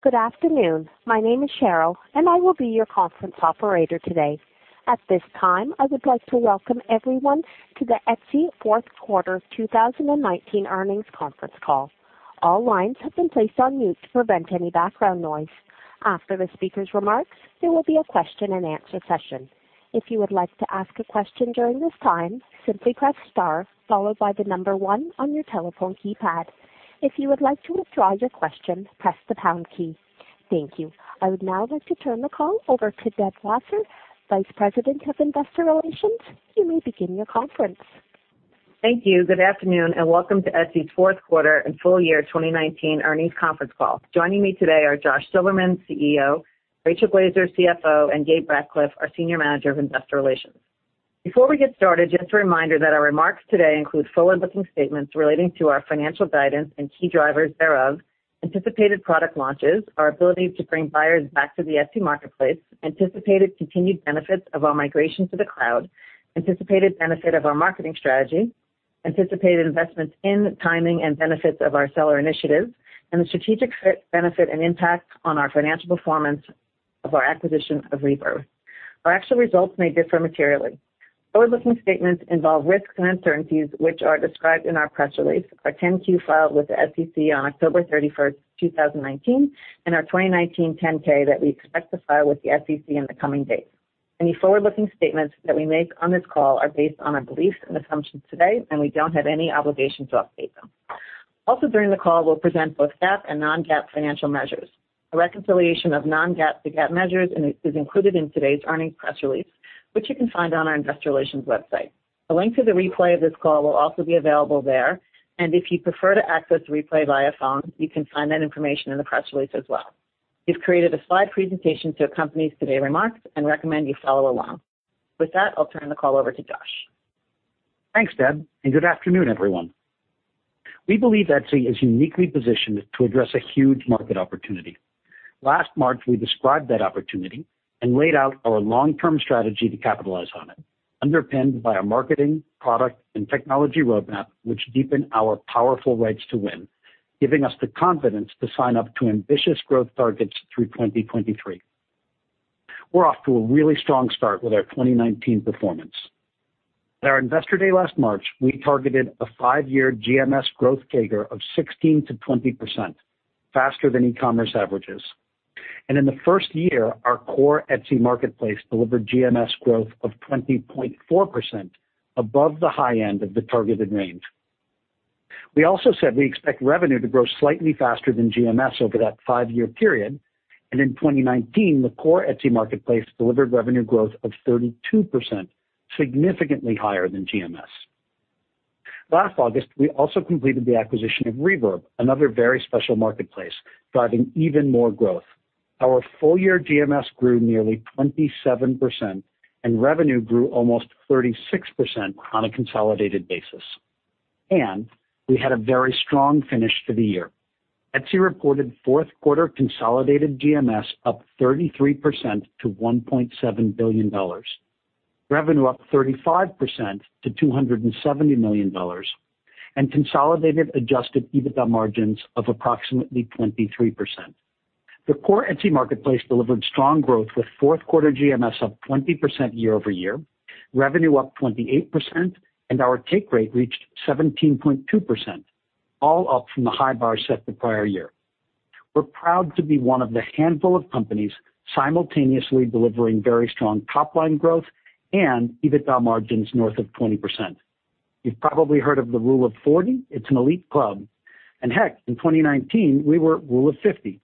Good afternoon. My name is Cheryl, and I will be your conference operator today. At this time, I would like to welcome everyone to the Etsy fourth quarter 2019 earnings conference call. All lines have been placed on mute to prevent any background noise. After the speaker's remarks, there will be a question-and-answer session. If you would like to ask a question during this time, simply press star followed by the number one on your telephone keypad. If you would like to withdraw your question, press the pound key. Thank you. I would now like to turn the call over to Deb Wasser, Vice President of Investor Relations. You may begin your conference. Thank you. Good afternoon, welcome to Etsy's fourth quarter and full year 2019 earnings conference call. Joining me today are Josh Silverman, CEO, Rachel Glaser, CFO, and Gabriel Ratcliff, our Senior Manager of Investor Relations. Before we get started, just a reminder that our remarks today include forward-looking statements relating to our financial guidance and key drivers thereof, anticipated product launches, our ability to bring buyers back to the Etsy marketplace, anticipated continued benefits of our migration to the cloud, anticipated benefit of our marketing strategy, anticipated investments in timing and benefits of our seller initiatives, and the strategic benefit and impact on our financial performance of our acquisition of Reverb. Our actual results may differ materially. Forward-looking statements involve risks and uncertainties which are described in our press release, our 10-Q filed with the SEC on October 31st, 2019, and our 2019 10-K that we expect to file with the SEC in the coming days. Any forward-looking statements that we make on this call are based on our beliefs and assumptions to date, and we don't have any obligation to update them. Also during the call, we'll present both GAAP and non-GAAP financial measures. A reconciliation of non-GAAP to GAAP measures is included in today's earnings press release, which you can find on our investor relations website. A link to the replay of this call will also be available there, and if you prefer to access the replay via phone, you can find that information in the press release as well. We've created a slide presentation to accompany today's remarks and recommend you follow along. With that, I'll turn the call over to Josh. Thanks, Deb. Good afternoon, everyone. We believe Etsy is uniquely positioned to address a huge market opportunity. Last March, we described that opportunity and laid out our long-term strategy to capitalize on it, underpinned by a marketing, product, and technology roadmap which deepen our powerful rights to win, giving us the confidence to sign up to ambitious growth targets through 2023. We're off to a really strong start with our 2019 performance. At our Investor Day last March, we targeted a five-year GMS growth CAGR of 16%-20%, faster than e-commerce averages. In the first year, our core Etsy marketplace delivered GMS growth of 20.4%, above the high end of the targeted range. We also said we expect revenue to grow slightly faster than GMS over that five-year period, and in 2019, the core Etsy marketplace delivered revenue growth of 32%, significantly higher than GMS. Last August, we also completed the acquisition of Reverb, another very special marketplace, driving even more growth. Our full-year GMS grew nearly 27%, and revenue grew almost 36% on a consolidated basis, and we had a very strong finish to the year. Etsy reported fourth quarter consolidated GMS up 33% to $1.7 billion, revenue up 35% to $270 million, and consolidated adjusted EBITDA margins of approximately 23%. The core Etsy marketplace delivered strong growth, with fourth quarter GMS up 20% year-over-year, revenue up 28%, and our take rate reached 17.2%, all up from the high bar set the prior year. We're proud to be one of the handful of companies simultaneously delivering very strong top-line growth and EBITDA margins north of 20%. You've probably heard of the Rule of 40. It's an elite club. Heck, in 2019, we were Rule of 50.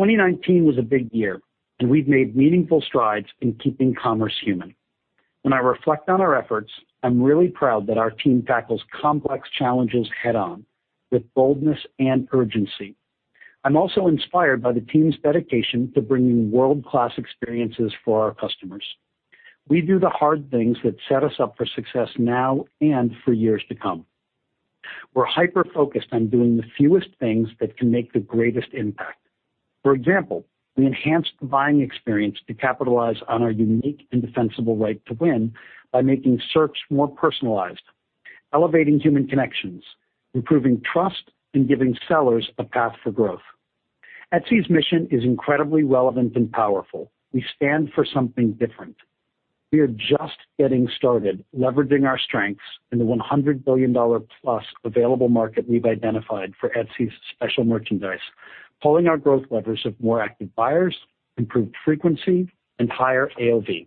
2019 was a big year, and we've made meaningful strides in keeping commerce human. When I reflect on our efforts, I'm really proud that our team tackles complex challenges head-on with boldness and urgency. I'm also inspired by the team's dedication to bringing world-class experiences for our customers. We do the hard things that set us up for success now and for years to come. We're hyper-focused on doing the fewest things that can make the greatest impact. For example, we enhanced the buying experience to capitalize on our unique and defensible right to win by making search more personalized, elevating human connections, improving trust, and giving sellers a path for growth. Etsy's mission is incredibly relevant and powerful. We stand for something different. We are just getting started leveraging our strengths in the $100 billion-plus available market we've identified for Etsy's special merchandise, pulling our growth levers of more active buyers, improved frequency, and higher AOV.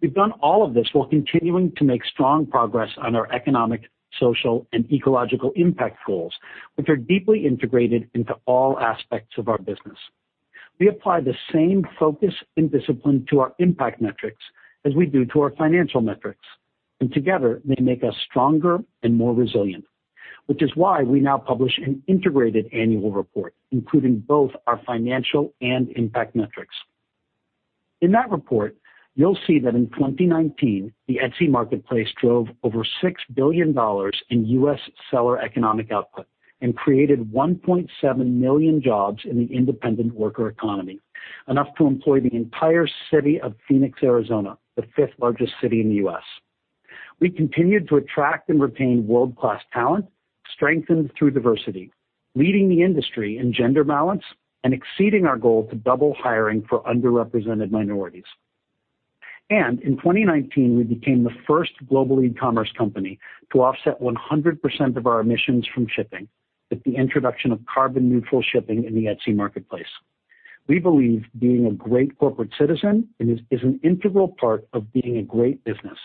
We've done all of this while continuing to make strong progress on our economic, social, and ecological impact goals, which are deeply integrated into all aspects of our business. We apply the same focus and discipline to our impact metrics as we do to our financial metrics, and together they make us stronger and more resilient, which is why we now publish an integrated annual report, including both our financial and impact metrics. In that report, you'll see that in 2019, the Etsy marketplace drove over $6 billion in U.S. seller economic output and created 1.7 million jobs in the independent worker economy, enough to employ the entire city of Phoenix, Arizona, the fifth largest city in the U.S. We continued to attract and retain world-class talent, strengthened through diversity, leading the industry in gender balance, and exceeding our goal to double hiring for underrepresented minorities. In 2019, we became the first global e-commerce company to offset 100% of our emissions from shipping with the introduction of Carbon Neutral Shipping in the Etsy marketplace. We believe being a great corporate citizen is an integral part of being a great business,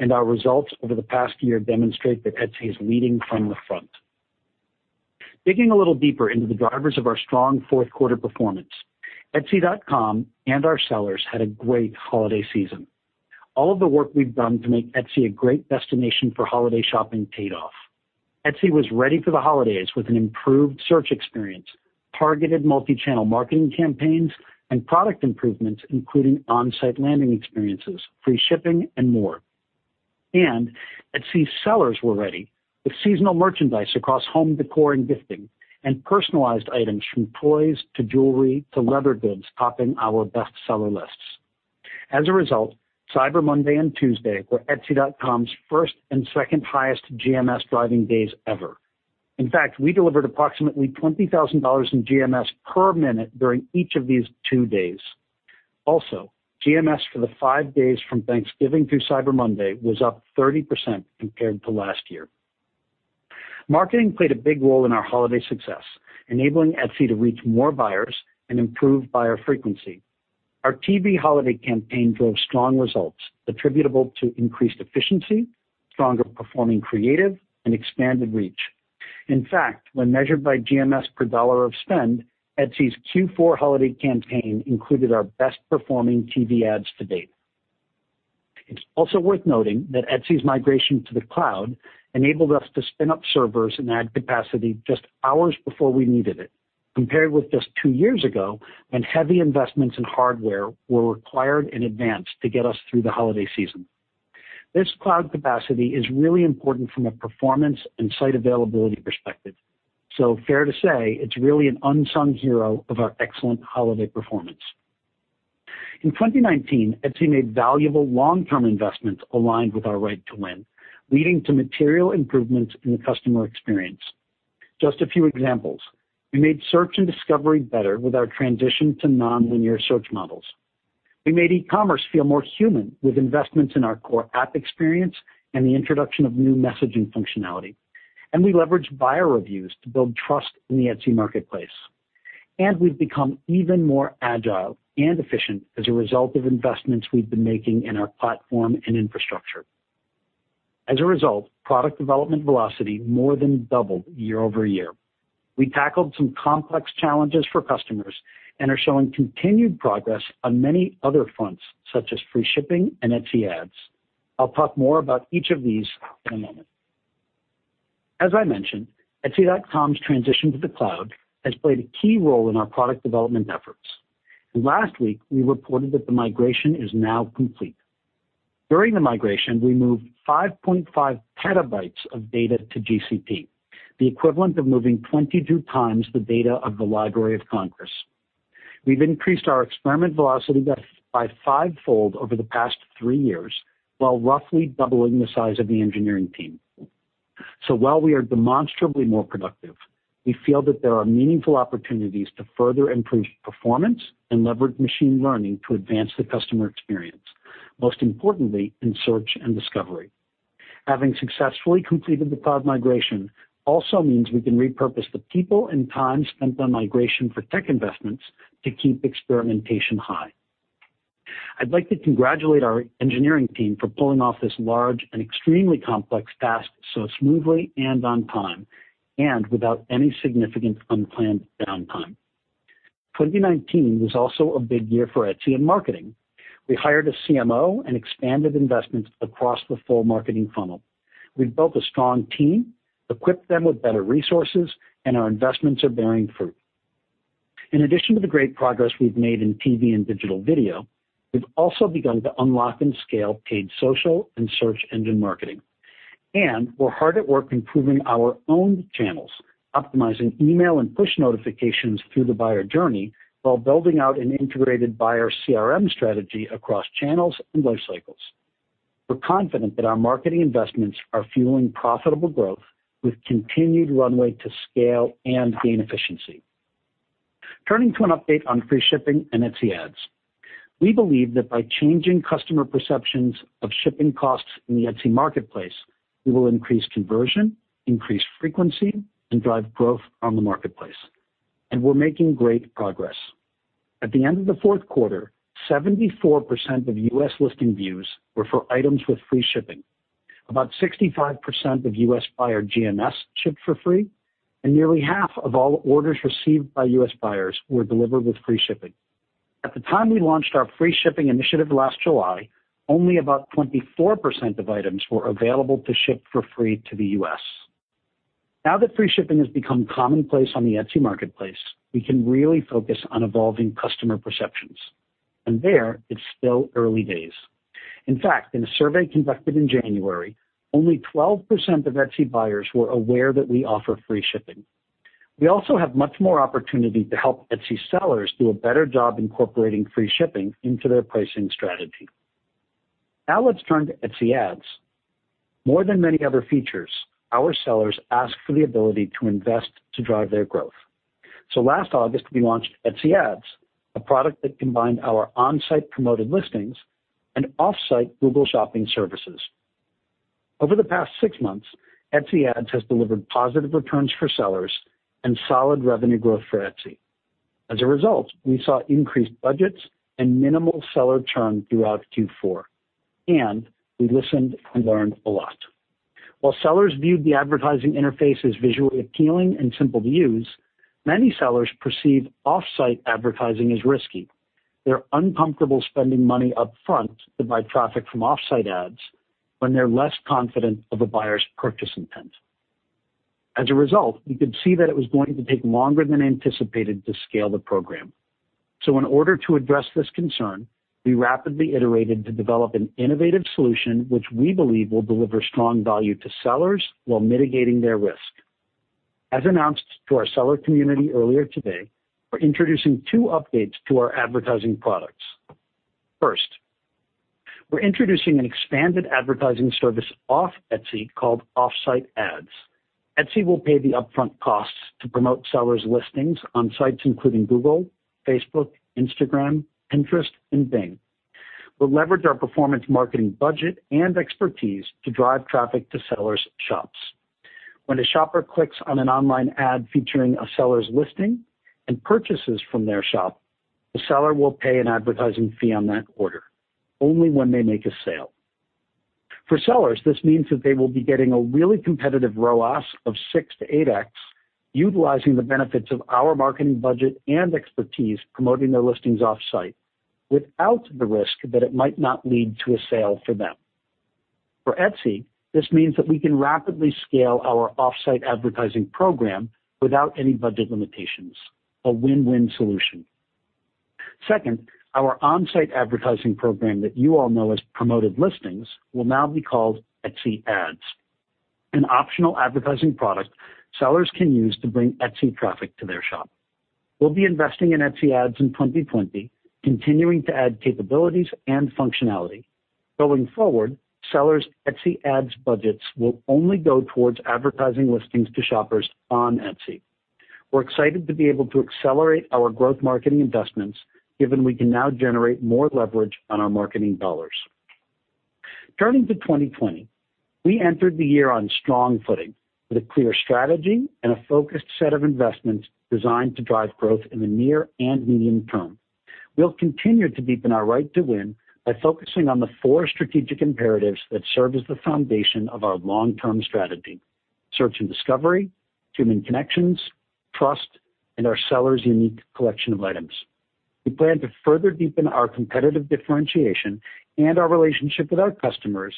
and our results over the past year demonstrate that Etsy is leading from the front. Digging a little deeper into the drivers of our strong fourth quarter performance, etsy.com and our sellers had a great holiday season. All of the work we've done to make Etsy a great destination for holiday shopping paid off. Etsy was ready for the holidays with an improved search experience, targeted multi-channel marketing campaigns, and product improvements, including on-site landing experiences, free shipping, and more. Etsy sellers were ready with seasonal merchandise across home decor and gifting, and personalized items from toys to jewelry to leather goods topping our bestseller lists. As a result, Cyber Monday and Tuesday were etsy.com's first and second highest GMS driving days ever. In fact, we delivered approximately $20,000 in GMS per minute during each of these two days. GMS for the five days from Thanksgiving through Cyber Monday was up 30% compared to last year. Marketing played a big role in our holiday success, enabling Etsy to reach more buyers and improve buyer frequency. Our TV holiday campaign drove strong results attributable to increased efficiency, stronger performing creative, and expanded reach. In fact, when measured by GMS per dollar of spend, Etsy's Q4 holiday campaign included our best performing TV ads to date. It's also worth noting that Etsy's migration to the cloud enabled us to spin up servers and add capacity just hours before we needed it, compared with just two years ago, when heavy investments in hardware were required in advance to get us through the holiday season. This cloud capacity is really important from a performance and site availability perspective. Fair to say, it's really an unsung hero of our excellent holiday performance. In 2019, Etsy made valuable long-term investments aligned with our right to win, leading to material improvements in the customer experience. Just a few examples. We made search and discovery better with our transition to nonlinear search models. We made e-commerce feel more human with investments in our core app experience and the introduction of new messaging functionality. We leveraged buyer reviews to build trust in the Etsy marketplace. We've become even more agile and efficient as a result of investments we've been making in our platform and infrastructure. As a result, product development velocity more than doubled year-over-year. We tackled some complex challenges for customers and are showing continued progress on many other fronts, such as free shipping and Etsy Ads. I'll talk more about each of these in a moment. As I mentioned, etsy.com's transition to the cloud has played a key role in our product development efforts, and last week, we reported that the migration is now complete. During the migration, we moved 5.5 PB of data to GCP, the equivalent of moving 22 times the data of the Library of Congress. We've increased our experiment velocity by fivefold over the past three years while roughly doubling the size of the engineering team. While we are demonstrably more productive, we feel that there are meaningful opportunities to further improve performance and leverage machine learning to advance the customer experience, most importantly in search and discovery. Having successfully completed the cloud migration also means we can repurpose the people and time spent on migration for tech investments to keep experimentation high. I'd like to congratulate our engineering team for pulling off this large and extremely complex task so smoothly and on time, and without any significant unplanned downtime. 2019 was also a big year for Etsy in marketing. We hired a CMO and expanded investments across the full marketing funnel. We've built a strong team, equipped them with better resources, and our investments are bearing fruit. In addition to the great progress we've made in TV and digital video, we've also begun to unlock and scale paid social and search engine marketing. We're hard at work improving our own channels, optimizing email and push notifications through the buyer journey while building out an integrated buyer CRM strategy across channels and life cycles. We're confident that our marketing investments are fueling profitable growth with continued runway to scale and gain efficiency. Turning to an update on free shipping and Etsy Ads, we believe that by changing customer perceptions of shipping costs in the Etsy marketplace, we will increase conversion, increase frequency, and drive growth on the marketplace, and we're making great progress. At the end of the fourth quarter, 74% of U.S. listing views were for items with free shipping. About 65% of U.S. buyer GMS shipped for free, and nearly half of all orders received by U.S. buyers were delivered with free shipping. At the time we launched our Free Shipping Initiative last July, only about 24% of items were available to ship for free to the U.S. Now that free shipping has become commonplace on the Etsy marketplace, we can really focus on evolving customer perceptions. There, it's still early days. In fact, in a survey conducted in January, only 12% of Etsy buyers were aware that we offer free shipping. We also have much more opportunity to help Etsy sellers do a better job incorporating free shipping into their pricing strategy. Let's turn to Etsy Ads. More than many other features, our sellers ask for the ability to invest to drive their growth. Last August, we launched Etsy Ads, a product that combined our on-site Promoted Listings and off-site Google Shopping services. Over the past six months, Etsy Ads has delivered positive returns for sellers and solid revenue growth for Etsy. As a result, we saw increased budgets and minimal seller churn throughout Q4, and we listened and learned a lot. While sellers viewed the advertising interface as visually appealing and simple to use, many sellers perceive off-site advertising as risky. They're uncomfortable spending money up front to buy traffic from Offsite Ads when they're less confident of a buyer's purchase intent. We could see that it was going to take longer than anticipated to scale the program. In order to address this concern, we rapidly iterated to develop an innovative solution, which we believe will deliver strong value to sellers while mitigating their risk. As announced to our seller community earlier today, we're introducing two updates to our advertising products. First, we're introducing an expanded advertising service Off Etsy called Offsite Ads. Etsy will pay the upfront costs to promote sellers' listings on sites including Google, Facebook, Instagram, Pinterest, and Bing. We'll leverage our performance marketing budget and expertise to drive traffic to sellers' shops. When a shopper clicks on an online ad featuring a seller's listing and purchases from their shop, the seller will pay an advertising fee on that order, only when they make a sale. For sellers, this means that they will be getting a really competitive ROAS of 6x-8x, utilizing the benefits of our marketing budget and expertise promoting their listings off-site, without the risk that it might not lead to a sale for them. For Etsy, this means that we can rapidly scale our Offsite Ads program without any budget limitations, a win-win solution. Second, our on-site advertising program that you all know as Promoted Listings will now be called Etsy Ads, an optional advertising product sellers can use to bring Etsy traffic to their shop. We'll be investing in Etsy Ads in 2020, continuing to add capabilities and functionality. Going forward, sellers' Etsy Ads budgets will only go towards advertising listings to shoppers on Etsy. We're excited to be able to accelerate our growth marketing investments, given we can now generate more leverage on our marketing dollars. Turning to 2020, we entered the year on strong footing with a clear strategy and a focused set of investments designed to drive growth in the near and medium term. We'll continue to deepen our right to win by focusing on the four strategic imperatives that serve as the foundation of our long-term strategy: search and discovery, human connections, trust, and our sellers' unique collection of items. We plan to further deepen our competitive differentiation and our relationship with our customers,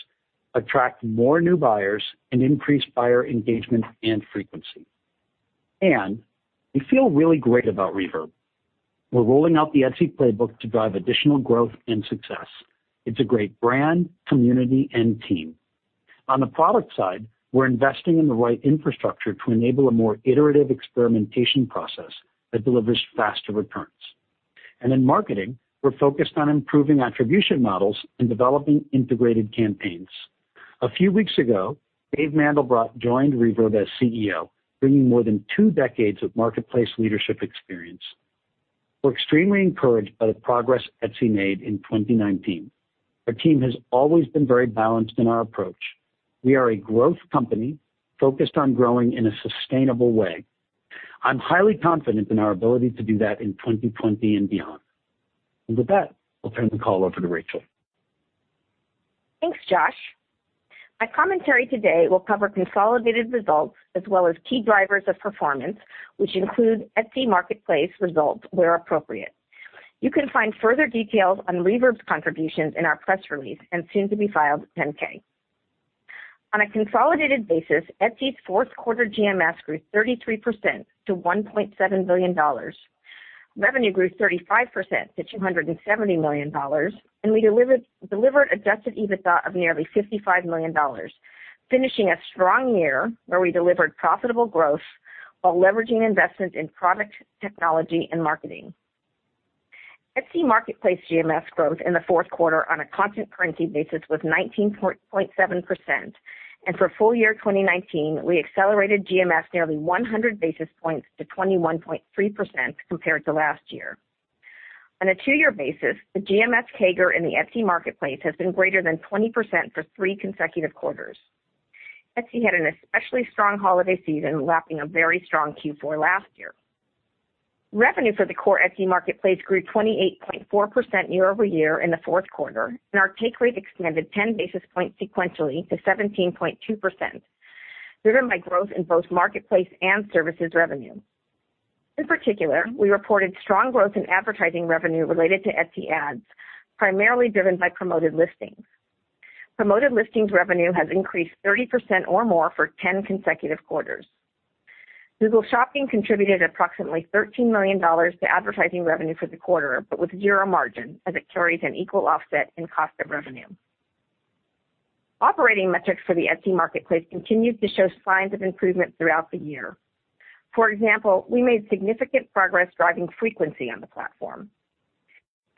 attract more new buyers, and increase buyer engagement and frequency. We feel really great about Reverb. We're rolling out the Etsy playbook to drive additional growth and success. It's a great brand, community, and team. On the product side, we're investing in the right infrastructure to enable a more iterative experimentation process that delivers faster returns. In marketing, we're focused on improving attribution models and developing integrated campaigns. A few weeks ago, Dave Mandelbrot joined Reverb as CEO, bringing more than two decades of marketplace leadership experience. We're extremely encouraged by the progress Etsy made in 2019. Our team has always been very balanced in our approach. We are a growth company focused on growing in a sustainable way. I'm highly confident in our ability to do that in 2020 and beyond. With that, I'll turn the call over to Rachel. Thanks, Josh. My commentary today will cover consolidated results as well as key drivers of performance, which include Etsy marketplace results where appropriate. You can find further details on Reverb's contributions in our press release and soon-to-be-filed 10-K. On a consolidated basis, Etsy's fourth quarter GMS grew 33% to $1.7 billion. Revenue grew 35% to $270 million, and we delivered adjusted EBITDA of nearly $55 million, finishing a strong year where we delivered profitable growth while leveraging investments in product, technology, and marketing. Etsy marketplace GMS growth in the fourth quarter on a constant currency basis was 19.7%, and for full year 2019, we accelerated GMS nearly 100 basis points to 21.3% compared to last year. On a two-year basis, the GMS CAGR in the Etsy marketplace has been greater than 20% for three consecutive quarters. Etsy had an especially strong holiday season, lapping a very strong Q4 last year. Revenue for the core Etsy marketplace grew 28.4% year-over-year in the fourth quarter, and our take rate expanded 10 basis points sequentially to 17.2%, driven by growth in both marketplace and services revenue. In particular, we reported strong growth in advertising revenue related to Etsy Ads, primarily driven by Promoted Listings. Promoted Listings revenue has increased 30% or more for 10 consecutive quarters. Google Shopping contributed approximately $13 million to advertising revenue for the quarter, but with zero margin, as it carries an equal offset in cost of revenue. Operating metrics for the Etsy marketplace continued to show signs of improvement throughout the year. For example, we made significant progress driving frequency on the platform.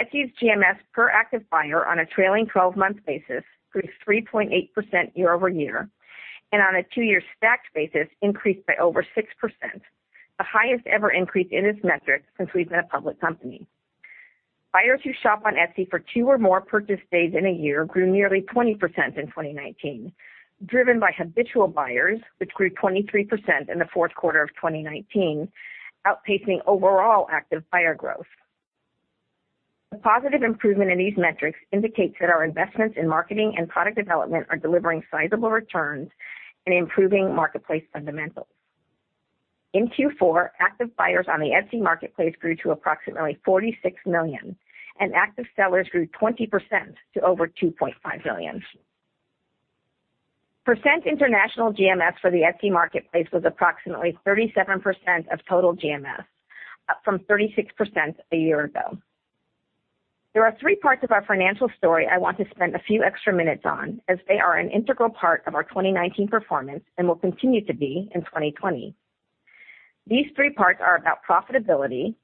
Etsy's GMS per active buyer on a trailing 12-month basis grew 3.8% year-over-year, and on a two-year stacked basis increased by over 6%, the highest ever increase in this metric since we've been a public company. Buyers who shop on Etsy for two or more purchase days in a year grew nearly 20% in 2019, driven by habitual buyers, which grew 23% in the fourth quarter of 2019, outpacing overall active buyer growth. The positive improvement in these metrics indicates that our investments in marketing and product development are delivering sizable returns and improving marketplace fundamentals. In Q4, active buyers on the Etsy marketplace grew to approximately 46 million, and active sellers grew 20% to over 2.5 million. Percent international GMS for the Etsy marketplace was approximately 37% of total GMS, up from 36% a year ago. There are three parts of our financial story I want to spend a few extra minutes on, as they are an integral part of our 2019 performance and will continue to be in 2020. These three parts are about profitability,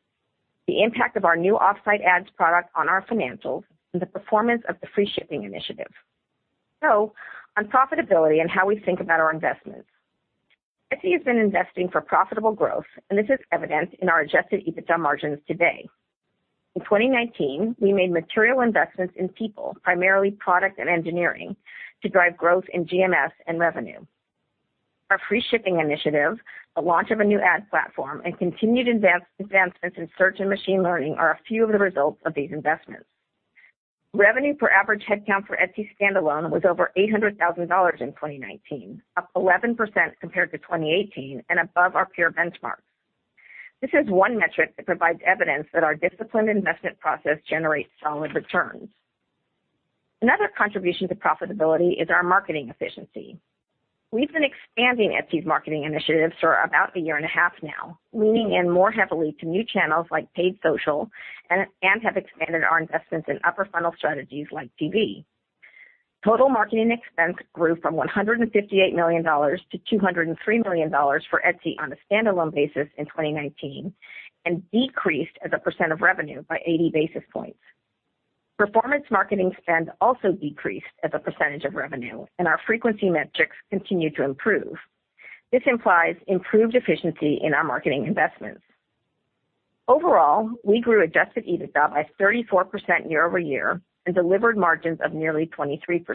the impact of our new Offsite Ads product on our financials, and the performance of the Free Shipping Initiative. On profitability and how we think about our investments. Etsy has been investing for profitable growth, and this is evident in our adjusted EBITDA margins today. In 2019, we made material investments in people, primarily product and engineering, to drive growth in GMS and revenue. Our Free Shipping Initiative, the launch of a new ad platform, and continued advancements in search and machine learning are a few of the results of these investments. Revenue per average headcount for Etsy standalone was over $800,000 in 2019, up 11% compared to 2018 and above our peer benchmark. This is one metric that provides evidence that our disciplined investment process generates solid returns. Another contribution to profitability is our marketing efficiency. We've been expanding Etsy's marketing initiatives for about a year and a half now, leaning in more heavily to new channels like paid social and have expanded our investments in upper funnel strategies like TV. Total marketing expense grew from $158 million to $203 million for Etsy on a standalone basis in 2019 and decreased as a percentage of revenue by 80 basis points. Performance marketing spend also decreased as a percentage of revenue, and our frequency metrics continued to improve. This implies improved efficiency in our marketing investments. Overall, we grew adjusted EBITDA by 34% year-over-year and delivered margins of nearly 23%.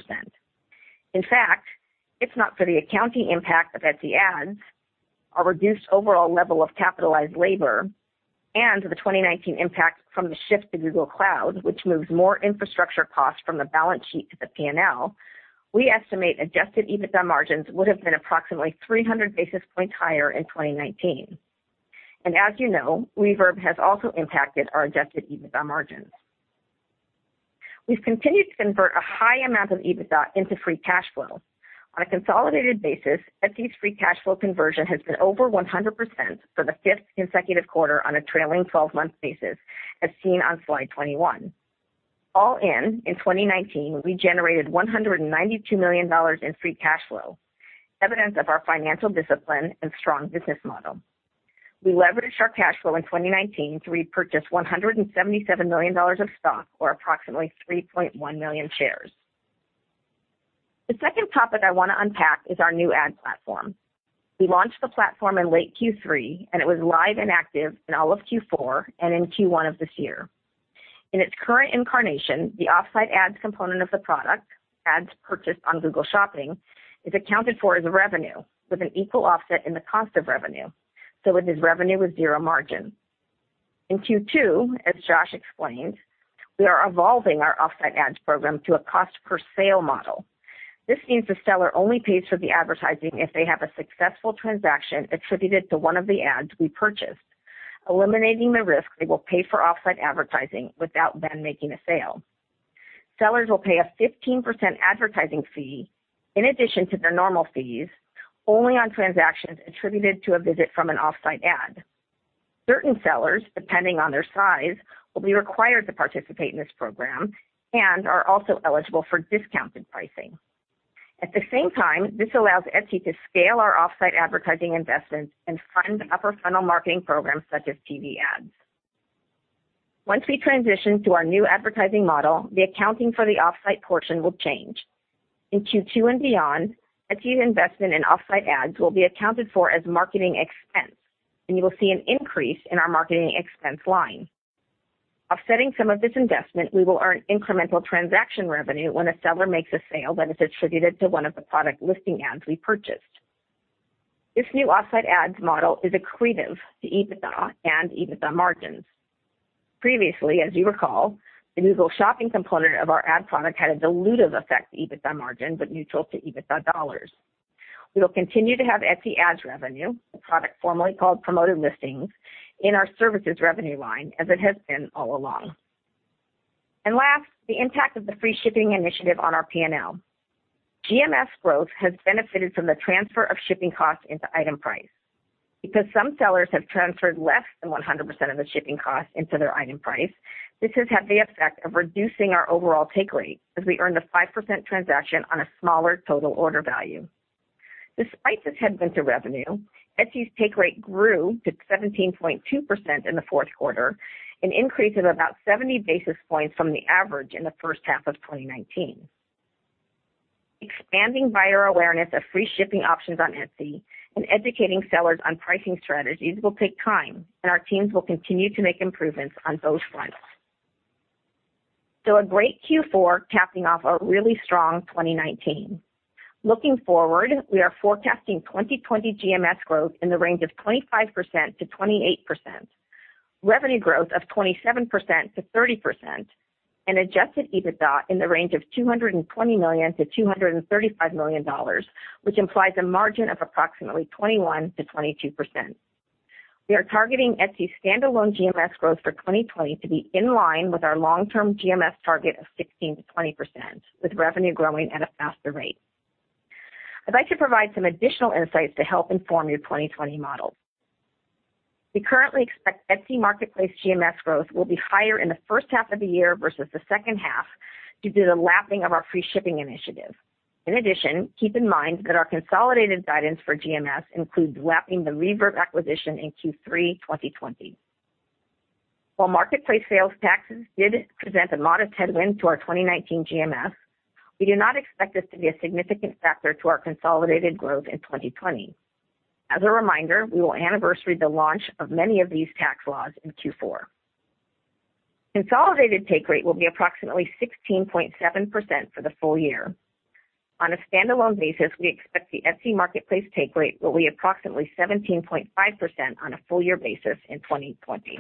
In fact, if not for the accounting impact of Etsy Ads, our reduced overall level of capitalized labor, and the 2019 impact from the shift to Google Cloud, which moves more infrastructure costs from the balance sheet to the P&L, we estimate adjusted EBITDA margins would have been approximately 300 basis points higher in 2019. As you know, Reverb has also impacted our adjusted EBITDA margins. We've continued to convert a high amount of EBITDA into free cash flow. On a consolidated basis, Etsy's free cash flow conversion has been over 100% for the fifth consecutive quarter on a trailing 12-month basis, as seen on slide 21. All in 2019, we generated $192 million in free cash flow, evidence of our financial discipline and strong business model. We leveraged our cash flow in 2019 to repurchase $177 million of stock, or approximately 3.1 million shares. The second topic I want to unpack is our new ad platform. We launched the platform in late Q3. It was live and active in all of Q4 and in Q1 of this year. In its current incarnation, the Offsite Ads component of the product, ads purchased on Google Shopping, is accounted for as a revenue, with an equal offset in the cost of revenue. It is revenue with zero margin. In Q2, as Josh explained, we are evolving our Offsite Ads program to a cost-per-sale model. This means the seller only pays for the advertising if they have a successful transaction attributed to one of the ads we purchased, eliminating the risk they will pay for offsite advertising without then making a sale. Sellers will pay a 15% advertising fee in addition to their normal fees, only on transactions attributed to a visit from an Offsite Ad. Certain sellers, depending on their size, will be required to participate in this program and are also eligible for discounted pricing. At the same time, this allows Etsy to scale our Offsite Ads investments and fund upper funnel marketing programs such as TV ads. Once we transition to our new advertising model, the accounting for the Offsite portion will change. In Q2 and beyond, Etsy's investment in Offsite Ads will be accounted for as marketing expense, and you will see an increase in our marketing expense line. Offsetting some of this investment, we will earn incremental transaction revenue when a seller makes a sale that is attributed to one of the Product Listing Ads we purchased. This new Offsite Ads model is accretive to EBITDA and EBITDA margins. Previously, as you recall, the Google Shopping component of our ad product had a dilutive effect to EBITDA margin, but neutral to EBITDA dollars. We will continue to have Etsy Ads revenue, a product formerly called Promoted Listings, in our services revenue line, as it has been all along. Last, the impact of the free shipping initiative on our P&L. GMS growth has benefited from the transfer of shipping costs into item price. Because some sellers have transferred less than 100% of the shipping cost into their item price, this has had the effect of reducing our overall take rate, as we earned a 5% transaction on a smaller total order value. Despite this headwind to revenue, Etsy's take rate grew to 17.2% in the fourth quarter, an increase of about 70 basis points from the average in the first half of 2019. Expanding buyer awareness of free shipping options on Etsy and educating sellers on pricing strategies will take time, and our teams will continue to make improvements on both fronts. A great Q4, capping off a really strong 2019. Looking forward, we are forecasting 2020 GMS growth in the range of 25%-28%, revenue growth of 27%-30%, and adjusted EBITDA in the range of $220 million-$235 million, which implies a margin of approximately 21%-22%. We are targeting Etsy standalone GMS growth for 2020 to be in line with our long-term GMS target of 16%-20%, with revenue growing at a faster rate. I'd like to provide some additional insights to help inform your 2020 models. We currently expect Etsy marketplace GMS growth will be higher in the first half of the year versus the second half due to the lapping of our free shipping initiative. In addition, keep in mind that our consolidated guidance for GMS includes lapping the Reverb acquisition in Q3 2020. While marketplace sales taxes did present a modest headwind to our 2019 GMS, we do not expect this to be a significant factor to our consolidated growth in 2020. As a reminder, we will anniversary the launch of many of these tax laws in Q4. Consolidated take rate will be approximately 16.7% for the full year. On a standalone basis, we expect the Etsy marketplace take rate will be approximately 17.5% on a full year basis in 2020.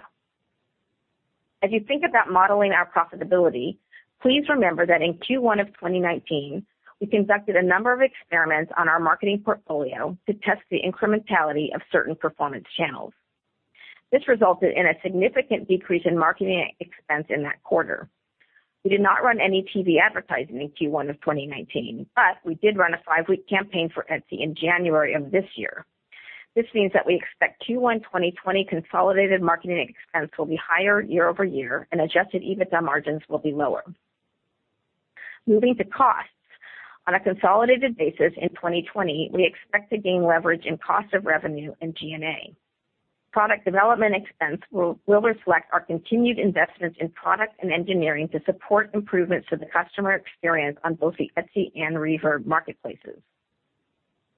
As you think about modeling our profitability, please remember that in Q1 of 2019, we conducted a number of experiments on our marketing portfolio to test the incrementality of certain performance channels. This resulted in a significant decrease in marketing expense in that quarter. We did not run any TV advertising in Q1 of 2019, but we did run a five-week campaign for Etsy in January of this year. This means that we expect Q1 2020 consolidated marketing expense will be higher year-over-year, and adjusted EBITDA margins will be lower. Moving to costs, on a consolidated basis in 2020, we expect to gain leverage in cost of revenue and G&A. Product development expense will reflect our continued investments in product and engineering to support improvements to the customer experience on both the Etsy and Reverb marketplaces.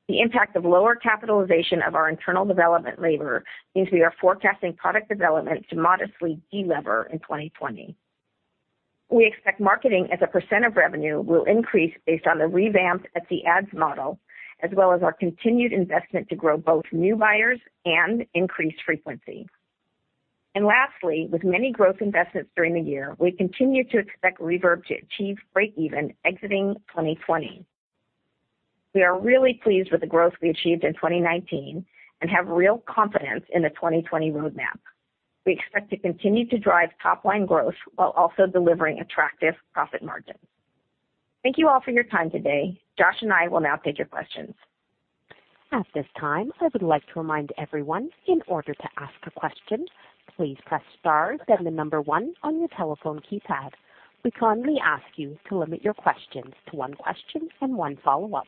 The impact of lower capitalization of our internal development labor means we are forecasting product development to modestly de-lever in 2020. We expect marketing as a percent of revenue will increase based on the revamped Etsy Ads model, as well as our continued investment to grow both new buyers and increase frequency. Lastly, with many growth investments during the year, we continue to expect Reverb to achieve breakeven exiting 2020. We are really pleased with the growth we achieved in 2019 and have real confidence in the 2020 roadmap. We expect to continue to drive top-line growth while also delivering attractive profit margins. Thank you all for your time today. Josh and I will now take your questions. At this time, I would like to remind everyone, in order to ask a question, please press star then the number one on your telephone keypad. We kindly ask you to limit your questions to one question and one follow-up.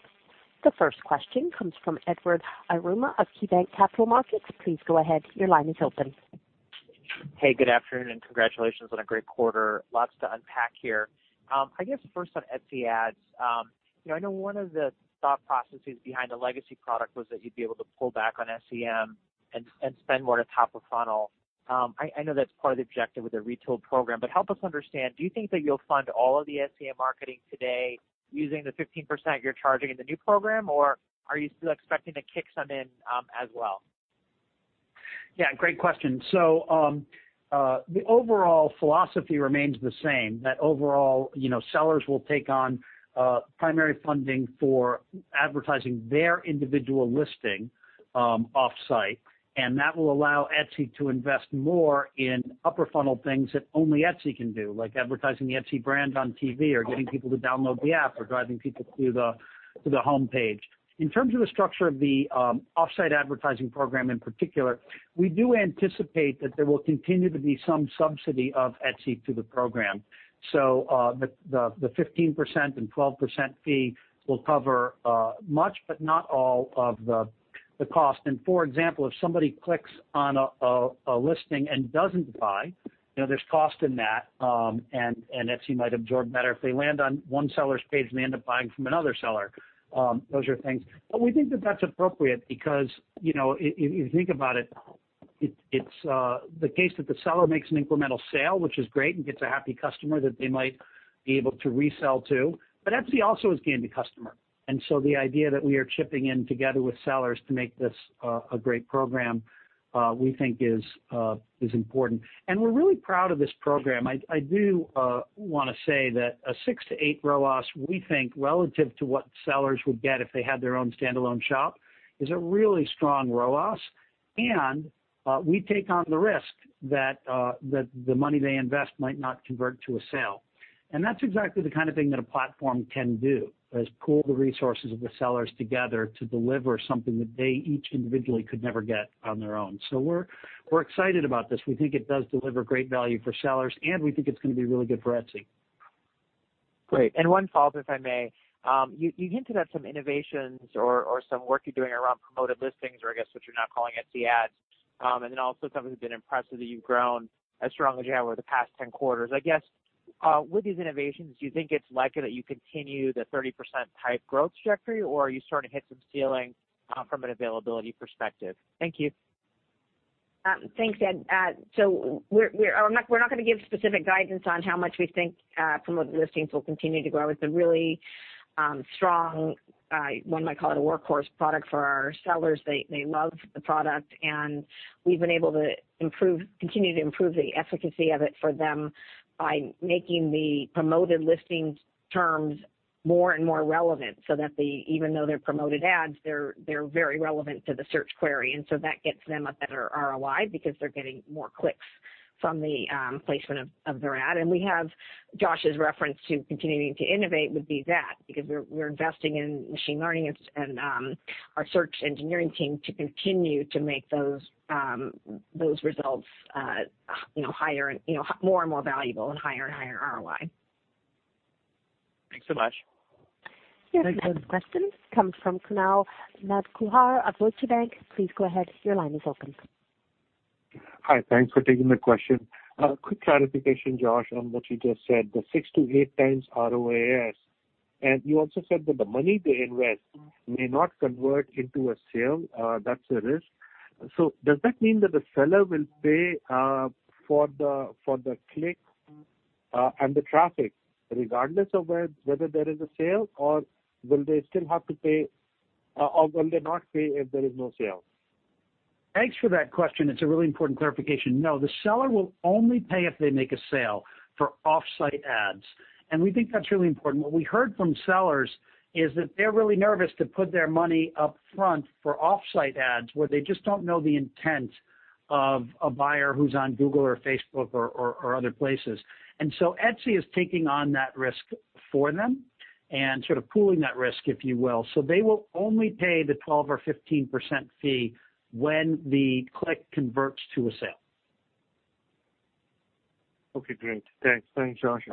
The first question comes from Edward Yruma of KeyBanc Capital Markets. Please go ahead. Your line is open. Hey, good afternoon, and congratulations on a great quarter. Lots to unpack here. I guess first on Etsy Ads. I know one of the thought processes behind the legacy product was that you'd be able to pull back on SEM and spend more at the top of funnel. I know that's part of the objective with the retooled program, but help us understand, do you think that you'll fund all of the SEM marketing today using the 15% you're charging in the new program, or are you still expecting to kick some in as well? Yeah, great question. The overall philosophy remains the same, that overall sellers will take on primary funding for advertising their individual listing offsite, and that will allow Etsy to invest more in upper funnel things that only Etsy can do, like advertising the Etsy brand on TV, or getting people to download the app, or driving people to the homepage. In terms of the structure of the Offsite Ads program in particular, we do anticipate that there will continue to be some subsidy of Etsy to the program. The 15% and 12% fee will cover much, but not all of the cost. For example, if somebody clicks on a listing and doesn't buy, there's cost in that, and Etsy might absorb better if they land on one seller's page and they end up buying from another seller. Those are things. We think that that's appropriate because, if you think about it's the case that the seller makes an incremental sale, which is great, and gets a happy customer that they might be able to resell to. Etsy also has gained a customer, the idea that we are chipping in together with sellers to make this a great program, we think is important. We're really proud of this program. I do want to say that a six to eight ROAS, we think, relative to what sellers would get if they had their own standalone shop, is a really strong ROAS. We take on the risk that the money they invest might not convert to a sale. That's exactly the kind of thing that a platform can do, is pool the resources of the sellers together to deliver something that they each individually could never get on their own. We're excited about this. We think it does deliver great value for sellers, and we think it's going to be really good for Etsy. One follow up, if I may. You hinted at some innovations or some work you're doing around Promoted Listings or I guess what you're now calling Etsy Ads. Then also something we've been impressed with, that you've grown as strong as you have over the past 10 quarters. I guess, with these innovations, do you think it's likely that you continue the 30% type growth trajectory, or are you starting to hit some ceiling from an availability perspective? Thank you. Thanks, Ed. We're not going to give specific guidance on how much we think Promoted Listings will continue to grow. It's a really strong, one might call it a workhorse product for our sellers. They love the product, and we've been able to continue to improve the efficacy of it for them by making the Promoted Listings terms more and more relevant so that even though they're promoted ads, they're very relevant to the search query. That gets them a better ROI because they're getting more clicks from the placement of their ad. We have Josh's reference to continuing to innovate would be that, because we're investing in machine learning and our search engineering team to continue to make those results more and more valuable and higher and higher ROI. Thanks so much. Your next question comes from Kunal Madhukar of Deutsche Bank. Please go ahead. Your line is open. Hi. Thanks for taking the question. A quick clarification, Josh, on what you just said, the 6x-8x ROAS. You also said that the money to invest may not convert into a sale, that's a risk. Does that mean that the seller will pay for the click and the traffic regardless of whether there is a sale? Will they not pay if there is no sale? Thanks for that question. It's a really important clarification. No, the seller will only pay if they make a sale for Offsite Ads, and we think that's really important. What we heard from sellers is that they're really nervous to put their money up front for Offsite Ads where they just don't know the intent of a buyer who's on Google or Facebook or other places. Etsy is taking on that risk for them and sort of pooling that risk, if you will. They will only pay the 12% or 15% fee when the click converts to a sale. Okay, great. Thanks. Thanks, Josh.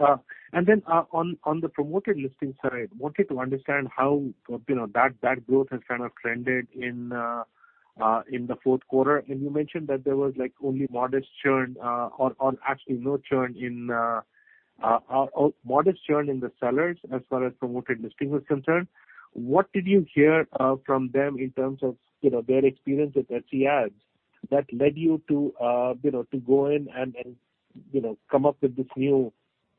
Then on the Promoted Listings side, wanted to understand how that growth has kind of trended in the fourth quarter. You mentioned that there was only modest churn, or actually modest churn in the sellers as far as Promoted Listings was concerned. What did you hear from them in terms of their experience with Etsy Ads that led you to go in and come up with this new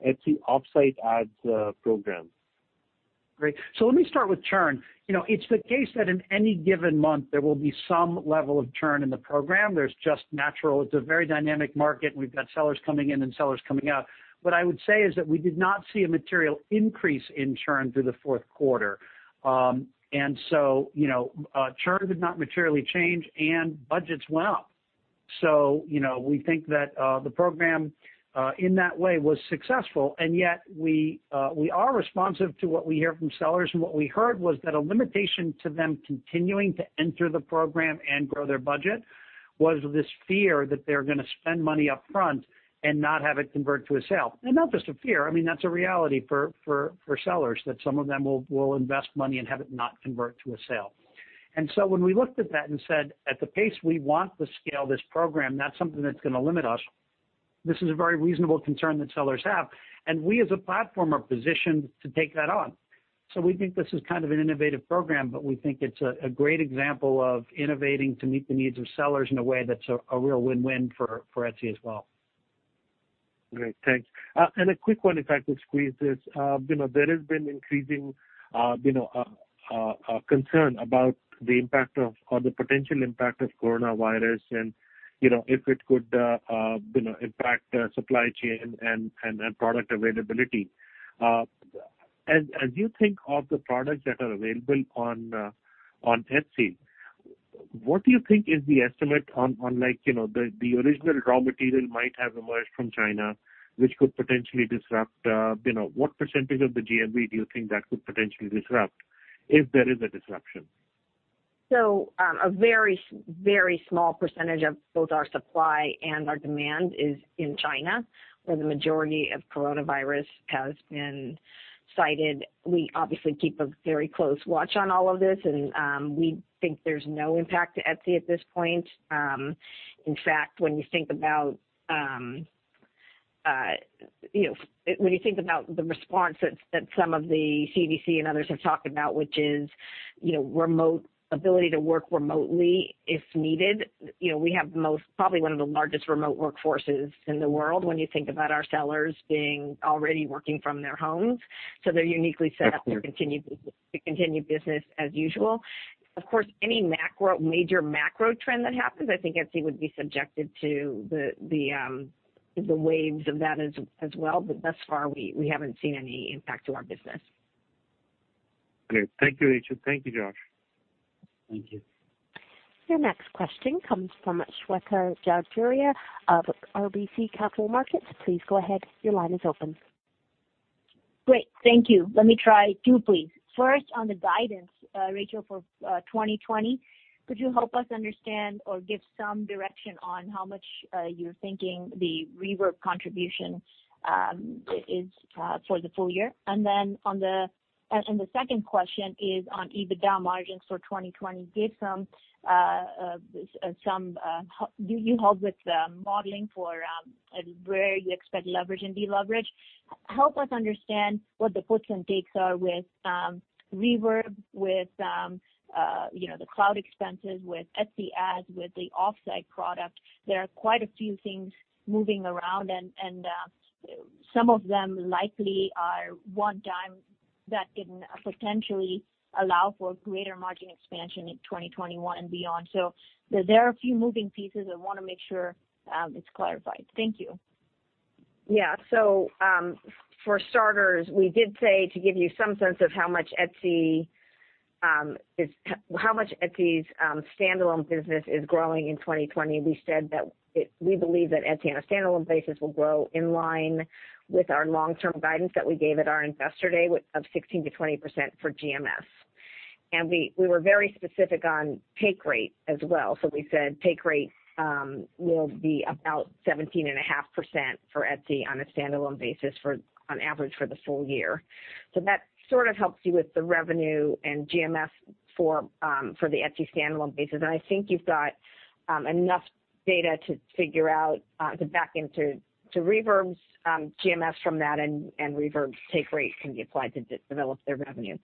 Etsy Offsite Ads program? Great. Let me start with churn. It's the case that in any given month, there will be some level of churn in the program. There's just natural, it's a very dynamic market, and we've got sellers coming in and sellers coming out. What I would say is that we did not see a material increase in churn through the fourth quarter. Churn did not materially change and budgets went up. We think that the program, in that way, was successful. Yet, we are responsive to what we hear from sellers. What we heard was that a limitation to them continuing to enter the program and grow their budget was this fear that they're going to spend money upfront and not have it convert to a sale. Not just a fear, I mean, that's a reality for sellers, that some of them will invest money and have it not convert to a sale. So when we looked at that and said, at the pace we want to scale this program, that's something that's going to limit us. This is a very reasonable concern that sellers have, and we as a platform are positioned to take that on. We think this is kind of an innovative program, but we think it's a great example of innovating to meet the needs of sellers in a way that's a real win-win for Etsy as well. Great, thanks. A quick one, if I could squeeze this. There has been increasing concern about the impact of, or the potential impact of coronavirus, and if it could impact supply chain and product availability. As you think of the products that are available on Etsy, what do you think is the estimate on, the original raw material might have emerged from China, which could potentially disrupt? What percentage of the GMV do you think that could potentially disrupt if there is a disruption? A very small percentage of both our supply and our demand is in China, where the majority of coronavirus has been cited. We obviously keep a very close watch on all of this, and we think there's no impact to Etsy at this point. In fact, when you think about the response that some of the CDC and others have talked about, which is ability to work remotely if needed. We have probably one of the largest remote workforces in the world when you think about our sellers being already working from their homes. They're uniquely set up to continue business as usual. Of course, any major macro trend that happens, I think Etsy would be subjected to the waves of that as well. Thus far, we haven't seen any impact to our business. Great. Thank you, Rachel. Thank you, Josh. Thank you. Your next question comes from Shweta Khajuria of RBC Capital Markets. Please go ahead. Your line is open. Great. Thank you. Let me try two, please. First, on the guidance, Rachel, for 2020, could you help us understand or give some direction on how much you're thinking the Reverb contribution is for the full year? The second question is on EBITDA margins for 2020. You helped with the modeling for where you expect leverage and deleverage. Help us understand what the puts and takes are with Reverb, with the cloud expenses, with Etsy Ads, with the Offsite product. There are quite a few things moving around, and some of them likely are one-time that can potentially allow for greater margin expansion in 2021 and beyond. There are a few moving pieces. I want to make sure it's clarified. Thank you. For starters, we did say, to give you some sense of how much Etsy's standalone business is growing in 2020, we said that we believe that Etsy on a standalone basis will grow in line with our long-term guidance that we gave at our investor day of 16%-20% for GMS. We were very specific on take rate as well. We said take rate will be about 17.5% for Etsy on a standalone basis on average for the full year. That sort of helps you with the revenue and GMS for the Etsy standalone basis. I think you've got enough data to figure out, to back into Reverb's GMS from that, and Reverb's take rate can be applied to develop their revenue.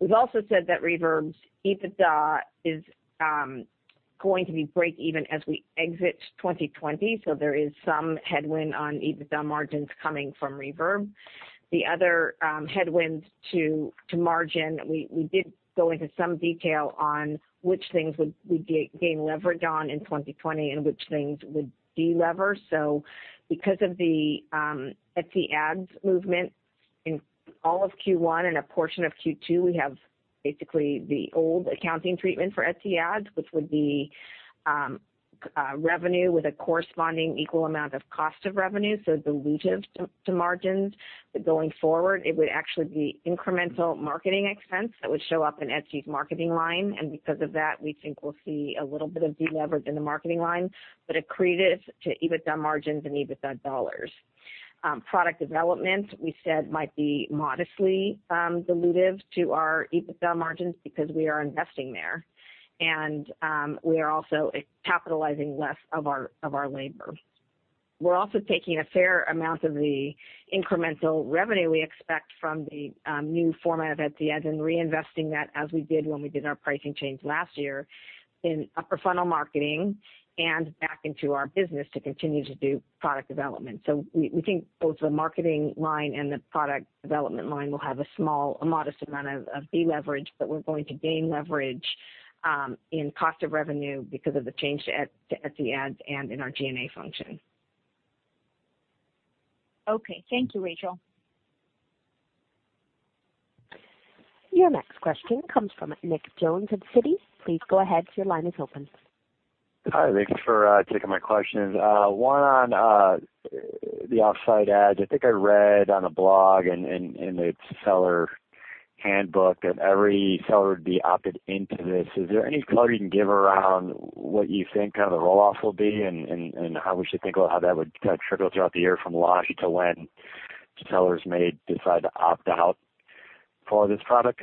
We've also said that Reverb's EBITDA is going to be break even as we exit 2020, so there is some headwind on EBITDA margins coming from Reverb. The other headwinds to margin, we did go into some detail on which things we gain leverage on in 2020 and which things would deleverage. Because of the Etsy Ads movement in all of Q1 and a portion of Q2, we have basically the old accounting treatment for Etsy Ads, which would be revenue with a corresponding equal amount of cost of revenue, so dilutive to margins. Going forward, it would actually be incremental marketing expense that would show up in Etsy's marketing line. Because of that, we think we'll see a little bit of deleverage in the marketing line, but accretive to EBITDA margins and EBITDA dollars. Product development, we said, might be modestly dilutive to our EBITDA margins because we are investing there, and we are also capitalizing less of our labor. We're also taking a fair amount of the incremental revenue we expect from the new format of Etsy Ads and reinvesting that as we did when we did our pricing change last year in upper funnel marketing and back into our business to continue to do product development. We think both the marketing line and the product development line will have a small, a modest amount of deleverage, but we're going to gain leverage in cost of revenue because of the change to Etsy Ads and in our G&A function. Okay. Thank you, Rachel. Your next question comes from Nick Jones at Citi. Please go ahead. Your line is open. Hi, thank you for taking my questions. One on the Offsite Ads. I think I read on a blog in a seller handbook that every seller would be opted into this. Is there any color you can give around what you think the roll-off will be and how we should think about how that would trickle throughout the year from launch to when sellers may decide to opt out for this product?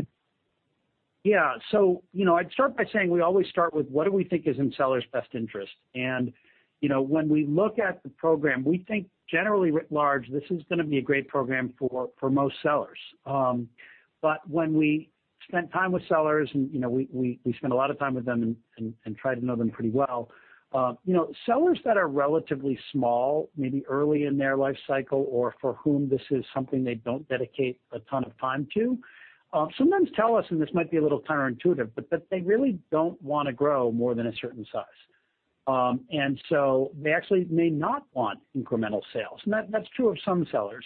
I'd start by saying we always start with what do we think is in sellers' best interest. When we look at the program, we think generally writ large, this is going to be a great program for most sellers. When we spent time with sellers, and we spend a lot of time with them and try to know them pretty well. Sellers that are relatively small, maybe early in their life cycle, or for whom this is something they don't dedicate a ton of time to, sometimes tell us, and this might be a little counterintuitive, but that they really don't want to grow more than a certain size. They actually may not want incremental sales. That's true of some sellers.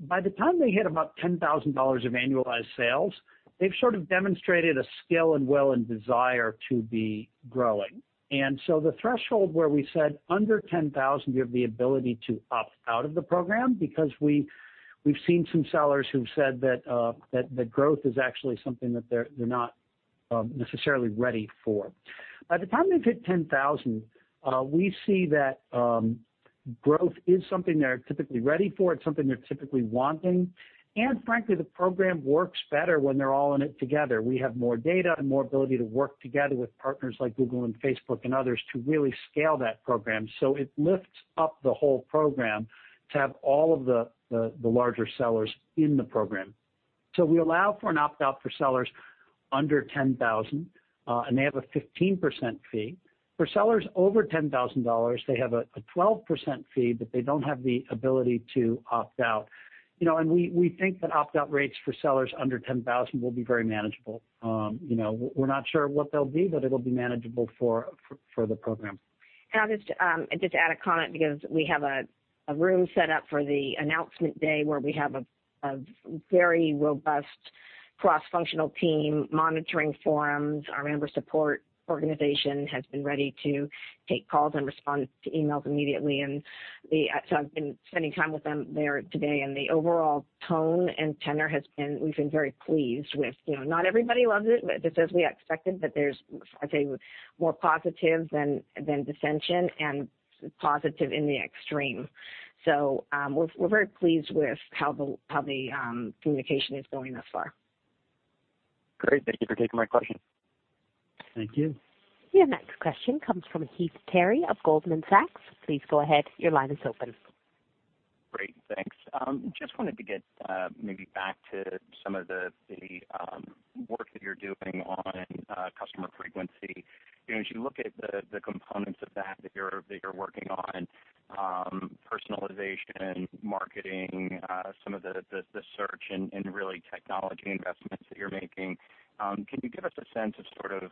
By the time they hit about $10,000 of annualized sales, they've sort of demonstrated a skill and will and desire to be growing. The threshold where we said under 10,000, you have the ability to opt out of the program because we've seen some sellers who've said that the growth is actually something that they're not necessarily ready for. By the time they've hit 10,000, we see that growth is something they're typically ready for. It's something they're typically wanting. Frankly, the program works better when they're all in it together. We have more data and more ability to work together with partners like Google and Facebook and others to really scale that program. It lifts up the whole program to have all of the larger sellers in the program. We allow for an opt-out for sellers under 10,000, and they have a 15% fee. For sellers over $10,000, they have a 12% fee, but they don't have the ability to opt out. We think that opt-out rates for sellers under 10,000 will be very manageable. We're not sure what they'll be, but it'll be manageable for the program. I'll just add a comment because we have a room set up for the announcement day where we have a very robust cross-functional team monitoring forums. Our member support organization has been ready to take calls and respond to emails immediately. I've been spending time with them there today, and the overall tone and tenor has been, we've been very pleased with. Not everybody loves it, but just as we expected, but there's, I'd say, more positive than dissension and positive in the extreme. We're very pleased with how the communication is going thus far. Great. Thank you for taking my question. Thank you. Your next question comes from Heath Terry of Goldman Sachs. Please go ahead. Your line is open. Great, thanks. Just wanted to get maybe back to some of the work that you're doing on customer frequency. As you look at the components of that you're working on personalization, marketing, some of the search, and really technology investments that you're making, can you give us a sense of sort of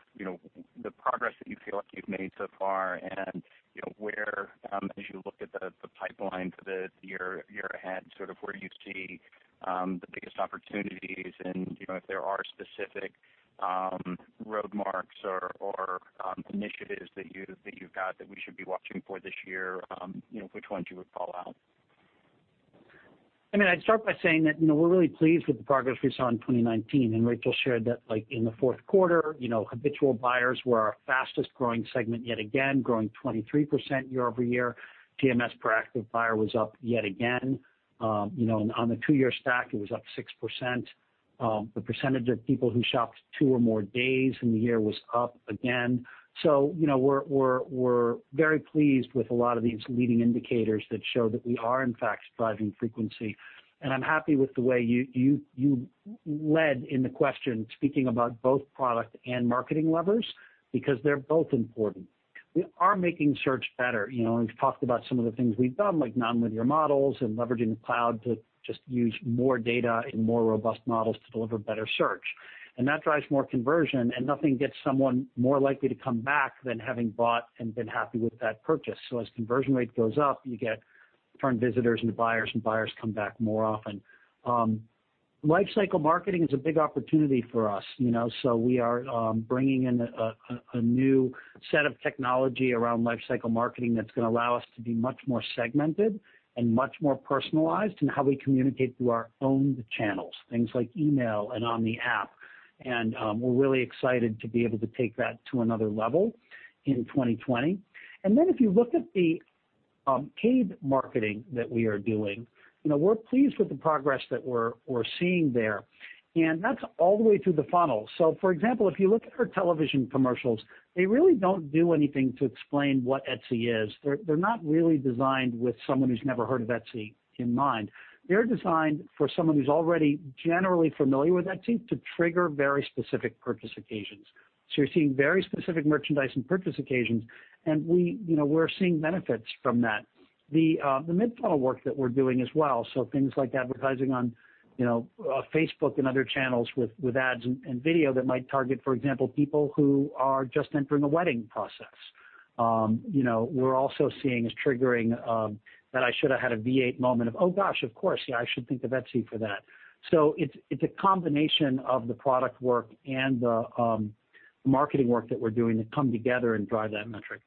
the progress that you feel like you've made so far and where as you look at the pipeline for the year ahead, sort of where you see the biggest opportunities and if there are specific road marks or initiatives that you've got that we should be watching for this year, which ones you would call out? I'd start by saying that we're really pleased with the progress we saw in 2019. Rachel shared that in the fourth quarter, habitual buyers were our fastest-growing segment, yet again, growing 23% year-over-year. GMS per active buyer was up yet again. On the two-year stack, it was up 6%. The percentage of people who shopped two or more days in the year was up again. We're very pleased with a lot of these leading indicators that show that we are, in fact, driving frequency. I'm happy with the way you led in the question, speaking about both product and marketing levers, because they're both important. We are making search better. We've talked about some of the things we've done, like nonlinear models and leveraging the cloud to just use more data and more robust models to deliver better search. That drives more conversion, and nothing gets someone more likely to come back than having bought and been happy with that purchase. As conversion rate goes up, you get return visitors into buyers, and buyers come back more often. Life cycle marketing is a big opportunity for us. We are bringing in a new set of technology around life cycle marketing that's going to allow us to be much more segmented and much more personalized in how we communicate through our owned channels, things like email and on the app. We're really excited to be able to take that to another level in 2020. If you look at the paid marketing that we are doing, we're pleased with the progress that we're seeing there, and that's all the way through the funnel. For example, if you look at our television commercials, they really don't do anything to explain what Etsy is. They're not really designed with someone who's never heard of Etsy in mind. They're designed for someone who's already generally familiar with Etsy to trigger very specific purchase occasions. You're seeing very specific merchandise and purchase occasions, and we're seeing benefits from that. The mid-funnel work that we're doing as well, so things like advertising on Facebook and other channels with ads and video that might target, for example, people who are just entering the wedding process. We're also seeing is triggering that I should have had a V8 moment of, "Oh, gosh, of course. Yeah, I should think of Etsy for that." It's a combination of the product work and the marketing work that we're doing that come together and drive that metric.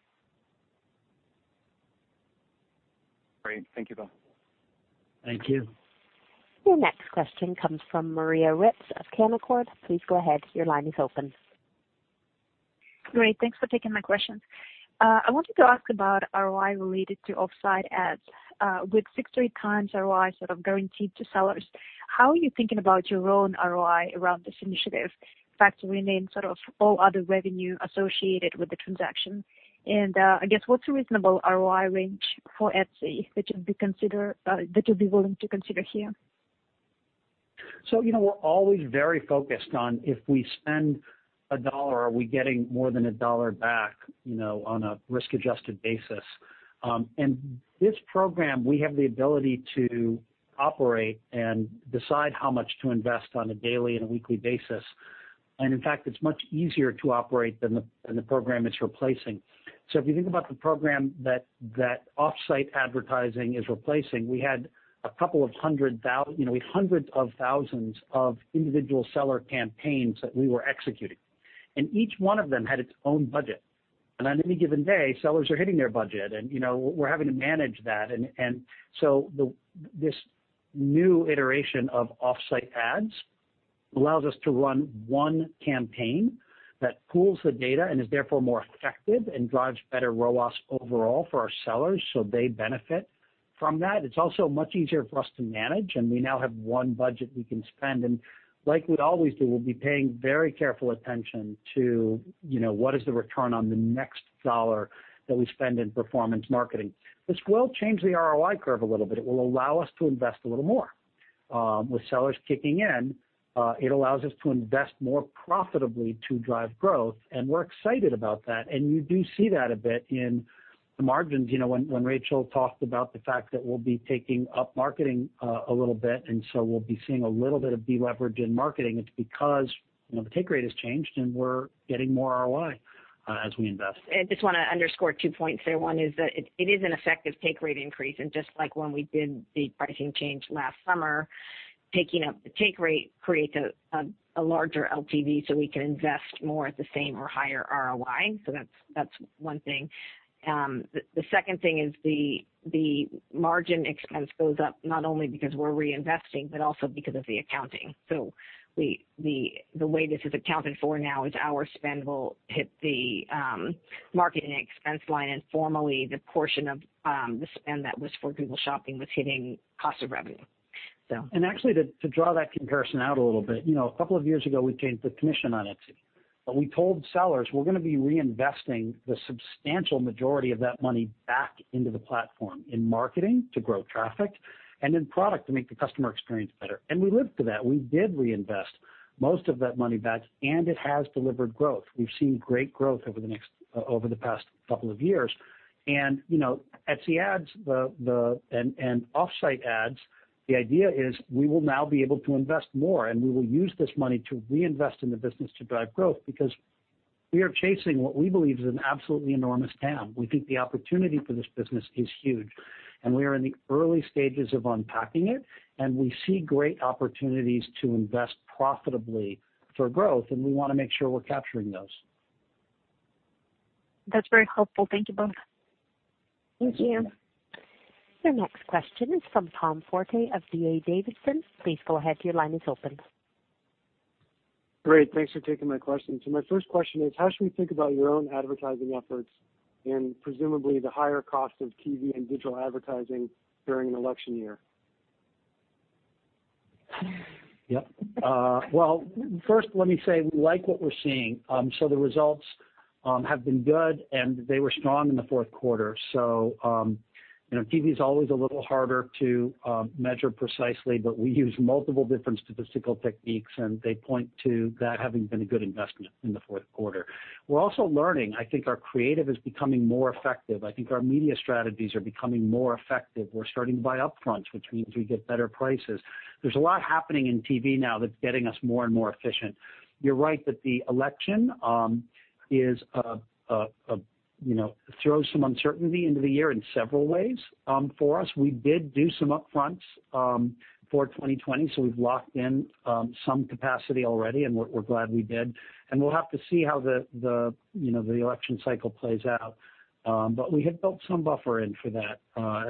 Great. Thank you, Josh. Thank you. Your next question comes from Maria Ripps of Canaccord. Please go ahead. Your line is open. Great. Thanks for taking my question. I wanted to ask about ROI related to Offsite Ads. With six to eight times ROI sort of guaranteed to sellers, how are you thinking about your own ROI around this initiative, factoring in sort of all other revenue associated with the transaction? I guess, what's a reasonable ROI range for Etsy that you'd be willing to consider here? We're always very focused on if we spend $1, are we getting more than $1 back, on a risk-adjusted basis. This program, we have the ability to operate and decide how much to invest on a daily and a weekly basis. In fact, it's much easier to operate than the program it's replacing. If you think about the program that Offsite Ads is replacing, we had hundreds of thousands of individual seller campaigns that we were executing, and each one of them had its own budget. On any given day, sellers are hitting their budget, and we're having to manage that. This new iteration of Offsite Ads allows us to run one campaign that pools the data and is therefore more effective and drives better ROAS overall for our sellers, so they benefit from that. It's also much easier for us to manage, and we now have one budget we can spend, and like we always do, we'll be paying very careful attention to what is the return on the next dollar that we spend in performance marketing. This will change the ROI curve a little bit. It will allow us to invest a little more. With sellers kicking in, it allows us to invest more profitably to drive growth, and we're excited about that. You do see that a bit in the margins. When Rachel talked about the fact that we'll be taking up marketing a little bit, and so we'll be seeing a little bit of de-leverage in marketing, it's because the take rate has changed and we're getting more ROI as we invest. I just want to underscore two points there. Just like when we did the pricing change last summer, taking up the take rate creates a larger LTV so we can invest more at the same or higher ROI. That's one thing. The second thing is the margin expense goes up not only because we're reinvesting, but also because of the accounting. The way this is accounted for now is our spend will hit the marketing expense line, formerly the portion of the spend that was for Google Shopping was hitting cost of revenue. Actually, to draw that comparison out a little bit, a couple of years ago, we changed the commission on Etsy. We told sellers we're going to be reinvesting the substantial majority of that money back into the platform in marketing to grow traffic and in product to make the customer experience better. We lived to that. We did reinvest most of that money back, and it has delivered growth. We've seen great growth over the past couple of years. Etsy Ads and Offsite Ads, the idea is we will now be able to invest more, and we will use this money to reinvest in the business to drive growth because we are chasing what we believe is an absolutely enormous TAM. We think the opportunity for this business is huge. We are in the early stages of unpacking it. We see great opportunities to invest profitably for growth. We want to make sure we're capturing those. That's very helpful. Thank you both. Thank you. Your next question is from Tom Forte of D.A. Davidson. Please go ahead, your line is open. Great. Thanks for taking my question. My first question is, how should we think about your own advertising efforts and presumably the higher cost of TV and digital advertising during an election year? First let me say we like what we're seeing. The results have been good, and they were strong in the fourth quarter. TV is always a little harder to measure precisely, but we use multiple different statistical techniques, and they point to that having been a good investment in the fourth quarter. We're also learning. I think our creative is becoming more effective. I think our media strategies are becoming more effective. We're starting to buy up front, which means we get better prices. There's a lot happening in TV now that's getting us more and more efficient. You're right that the election throws some uncertainty into the year in several ways for us. We did do some upfront for 2020, we've locked in some capacity already, we're glad we did. We'll have to see how the election cycle plays out. We have built some buffer in for that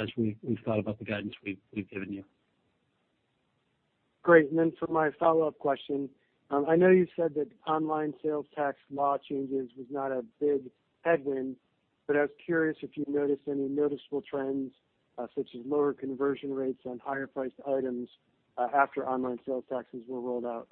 as we've thought about the guidance we've given you. Great. Then for my follow-up question, I know you said that online sales tax law changes was not a big headwind. I was curious if you noticed any noticeable trends, such as lower conversion rates on higher priced items after online sales taxes were rolled out?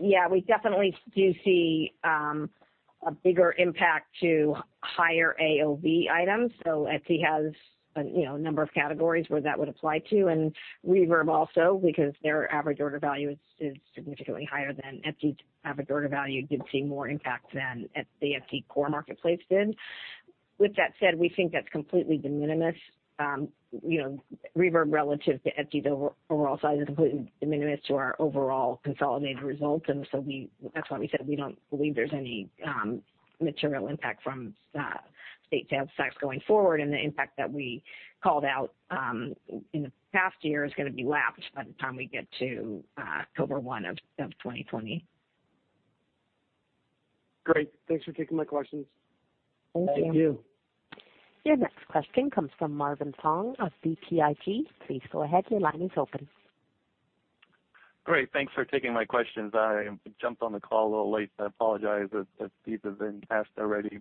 Yeah, we definitely do see a bigger impact to higher AOV items. Etsy has a number of categories where that would apply to, and Reverb also, because their average order value is significantly higher than Etsy's average order value, did see more impact than the Etsy core marketplace did. With that said, we think that's completely de minimis. Reverb relative to Etsy, the overall size is completely de minimis to our overall consolidated results. That's why we said we don't believe there's any material impact from state sales tax going forward. The impact that we called out in the past year is going to be lapped by the time we get to October 1 of 2020. Great. Thanks for taking my questions. Thank you. Thank you. Your next question comes from Marvin Fong of BTIG. Please go ahead. Your line is open. Great. Thanks for taking my questions. I jumped on the call a little late. I apologize if these have been asked already.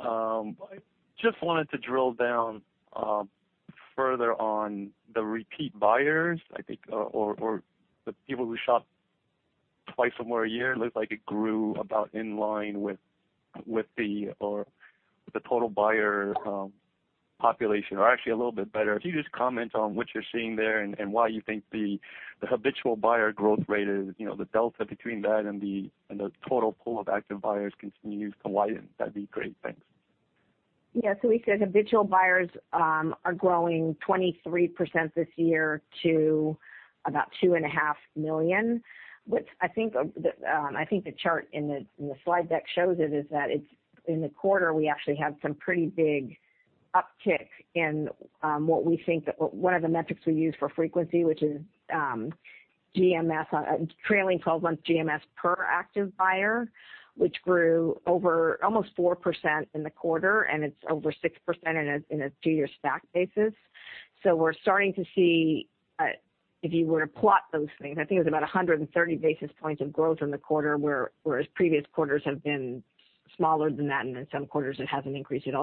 I just wanted to drill down further on the repeat buyers, I think, or the people who shop twice or more a year. It looks like it grew about in line with the total buyer population or actually a little bit better. Can you just comment on what you're seeing there and why you think the habitual buyer growth rate is, the delta between that and the total pool of active buyers continues to widen? That'd be great. Thanks. We said habitual buyers are growing 23% this year to about $2.5 million, which I think the chart in the slide deck shows it, is that in the quarter, we actually have some pretty big uptick in what we think one of the metrics we use for frequency, which is GMS, trailing 12-month GMS per active buyer, which grew almost 4% in the quarter, and it's over 6% in a two-year stack basis. We're starting to see, if you were to plot those things, I think there's about 130 basis points of growth in the quarter, whereas previous quarters have been smaller than that, and in some quarters, it hasn't increased at all.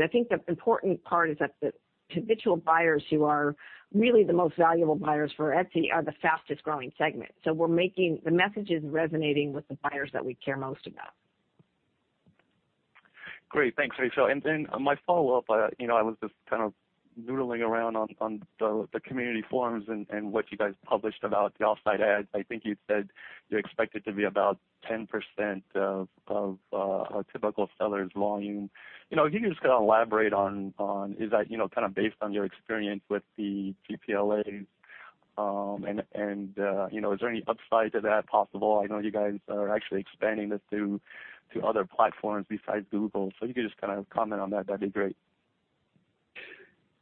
I think the important part is that the habitual buyers who are really the most valuable buyers for Etsy are the fastest-growing segment. The message is resonating with the buyers that we care most about. Great. Thanks, Rachel. Then my follow-up, I was just noodling around on the community forums and what you guys published about the Offsite Ads. I think you said you expect it to be about 10% of a typical seller's volume. Can you just elaborate on, is that based on your experience with the PLAs, and is there any upside to that possible? I know you guys are actually expanding this to other platforms besides Google. If you could just comment on that'd be great.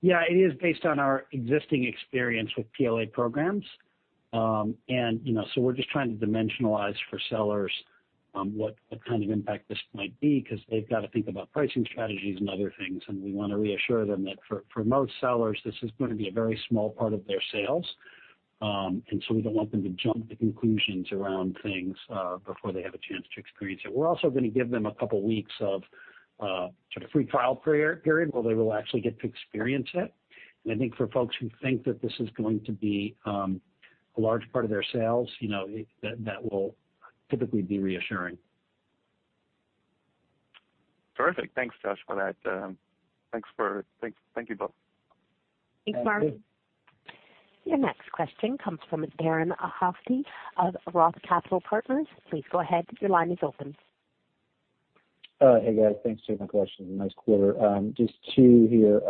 Yeah. It is based on our existing experience with PLA programs. We're just trying to dimensionalize for sellers what kind of impact this might be, because they've got to think about pricing strategies and other things, and we want to reassure them that for most sellers, this is going to be a very small part of their sales. We don't want them to jump to conclusions around things before they have a chance to experience it. We're also going to give them a couple of weeks of sort of a free trial period where they will actually get to experience it. I think for folks who think that this is going to be a large part of their sales, that will typically be reassuring. Terrific. Thanks, Josh, for that. Thank you both. Thank you. Thanks, Marvin. Your next question comes from Darren Aftahi of Roth Capital Partners. Please go ahead. Your line is open. Hey, guys. Thanks for taking my question. Nice quarter. Just two here.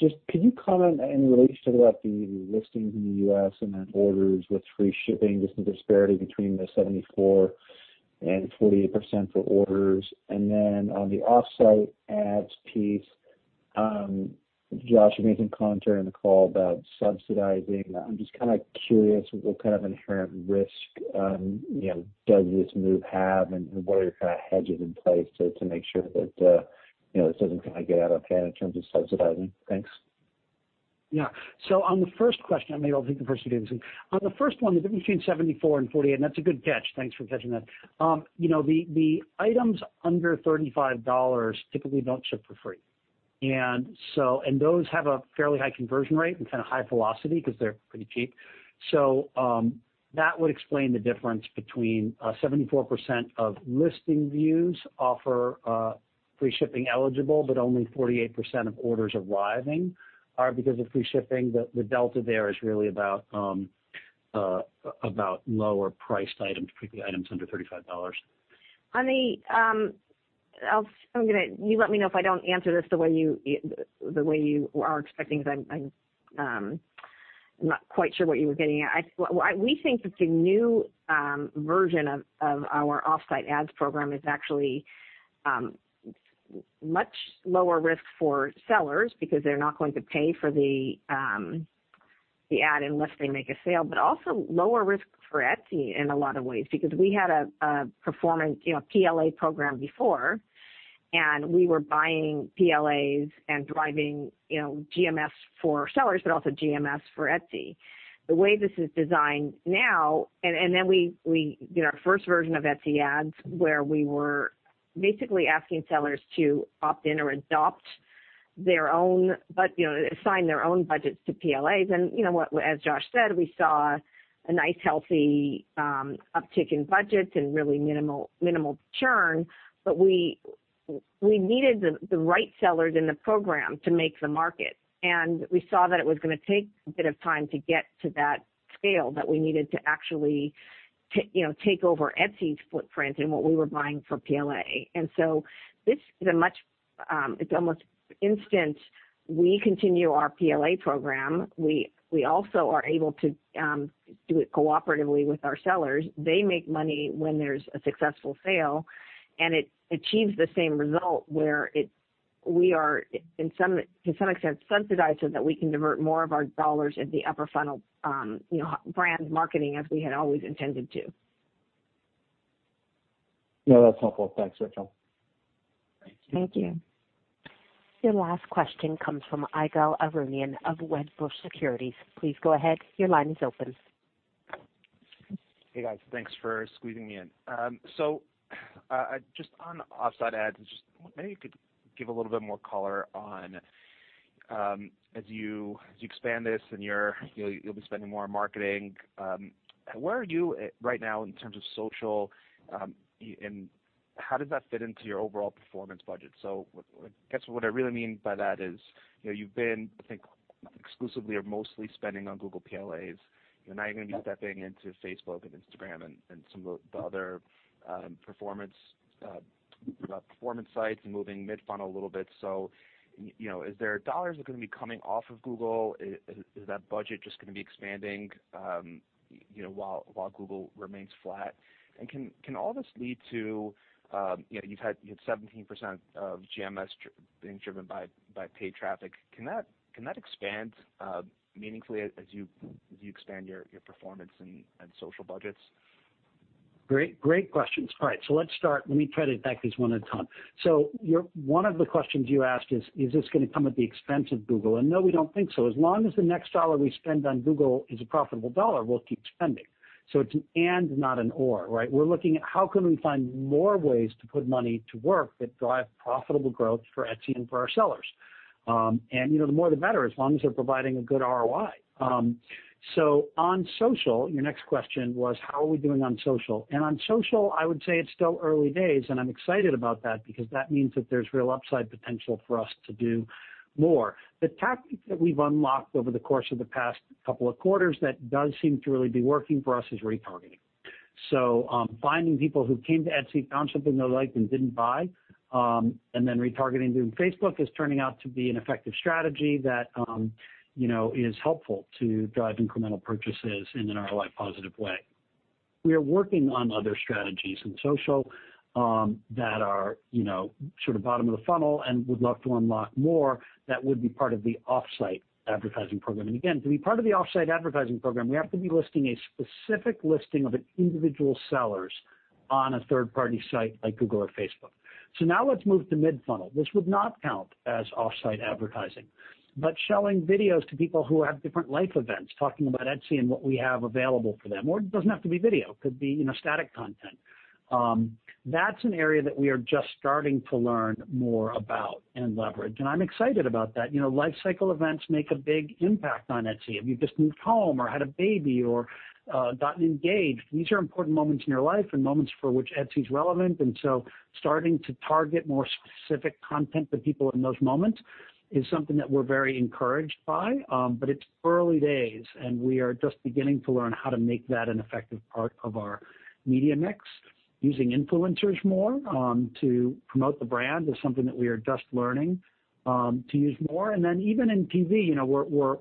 Could you comment in relation to the listings in the U.S. and then orders with free shipping, the disparity between the 74% and 48% for orders? Then on the Offsite Ads piece, Josh, you made some comment during the call about subsidizing. I'm kind of curious what kind of inherent risk does this move have and what are your kind of hedges in place to make sure that this doesn't get out of hand in terms of subsidizing? Thanks. Yeah. On the first question, I may hold the first two together. On the first one, the difference between 74% and 48%, that's a good catch. Thanks for catching that. The items under $35 typically don't ship for free. Those have a fairly high conversion rate and kind of high velocity because they're pretty cheap. That would explain the difference between 74% of listing views offer free shipping eligible, but only 48% of orders arriving are because of free shipping. The delta there is really about lower priced items, particularly items under $35. You let me know if I don't answer this the way you are expecting, because I'm not quite sure what you were getting at. We think that the new version of our Offsite Ads program is actually much lower risk for sellers because they're not going to pay for the ad unless they make a sale, but also lower risk for Etsy in a lot of ways, because we had a PLA program before, and we were buying PLAs and driving GMS for sellers, but also GMS for Etsy. The way this is designed now, and then we did our first version of Etsy Ads, where we were basically asking sellers to opt in or assign their own budgets to PLAs. As Josh said, we saw a nice healthy uptick in budgets and really minimal churn, but we needed the right sellers in the program to make the market. We saw that it was going to take a bit of time to get to that scale that we needed to actually take over Etsy's footprint in what we were buying for PLA. This is a much, it's almost instant. We continue our PLA program. We also are able to do it cooperatively with our sellers. They make money when there's a successful sale, and it achieves the same result where we are, to some extent, subsidized so that we can divert more of our dollars at the upper funnel, brand marketing, as we had always intended to. No, that's helpful. Thanks, Rachel. Thank you. Your last question comes from Ygal Arounian of Wedbush Securities. Please go ahead. Your line is open. Hey, guys, thanks for squeezing me in. Just on Offsite Ads, maybe you could give a little bit more color on, as you expand this and you'll be spending more on marketing, where are you at right now in terms of social, and how does that fit into your overall performance budget? I guess what I really mean by that is, you've been, I think, exclusively or mostly spending on Google PLAs. You're now going to be stepping into Facebook and Instagram and some of the other performance sites and moving mid-funnel a little bit. Are there dollars that are going to be coming off of Google? Is that budget just going to be expanding while Google remains flat? Can all this lead to, you've had 17% of GMS being driven by paid traffic. Can that expand meaningfully as you expand your performance and social budgets? Great questions. All right, let's start. Let me try to attack these one at a time. One of the questions you asked is this going to come at the expense of Google? No, we don't think so. As long as the next dollar we spend on Google is a profitable dollar, we'll keep spending. It's an and, not an or, right? We're looking at how can we find more ways to put money to work that drive profitable growth for Etsy and for our sellers. The more, the better, as long as they're providing a good ROI. On social, your next question was, how are we doing on social? On social, I would say it's still early days, and I'm excited about that because that means that there's real upside potential for us to do more. The tactic that we've unlocked over the course of the past couple of quarters that does seem to really be working for us is retargeting. Finding people who came to Etsy, found something they liked and didn't buy, and then retargeting them. Facebook is turning out to be an effective strategy that is helpful to drive incremental purchases in an ROI-positive way. We are working on other strategies in social that are bottom of the funnel and would love to unlock more that would be part of the off-site advertising program. Again, to be part of the off-site advertising program, we have to be listing a specific listing of an individual sellers on a third-party site like Google or Facebook. Now let's move to mid-funnel. This would not count as off-site advertising, but showing videos to people who have different life events, talking about Etsy and what we have available for them. It doesn't have to be video, it could be static content. That's an area that we are just starting to learn more about and leverage, and I'm excited about that. Life cycle events make a big impact on Etsy. If you've just moved home or had a baby or gotten engaged, these are important moments in your life and moments for which Etsy's relevant. Starting to target more specific content to people in those moments is something that we're very encouraged by. It's early days, and we are just beginning to learn how to make that an effective part of our media mix. Using influencers more to promote the brand is something that we are just learning to use more. Even in TV,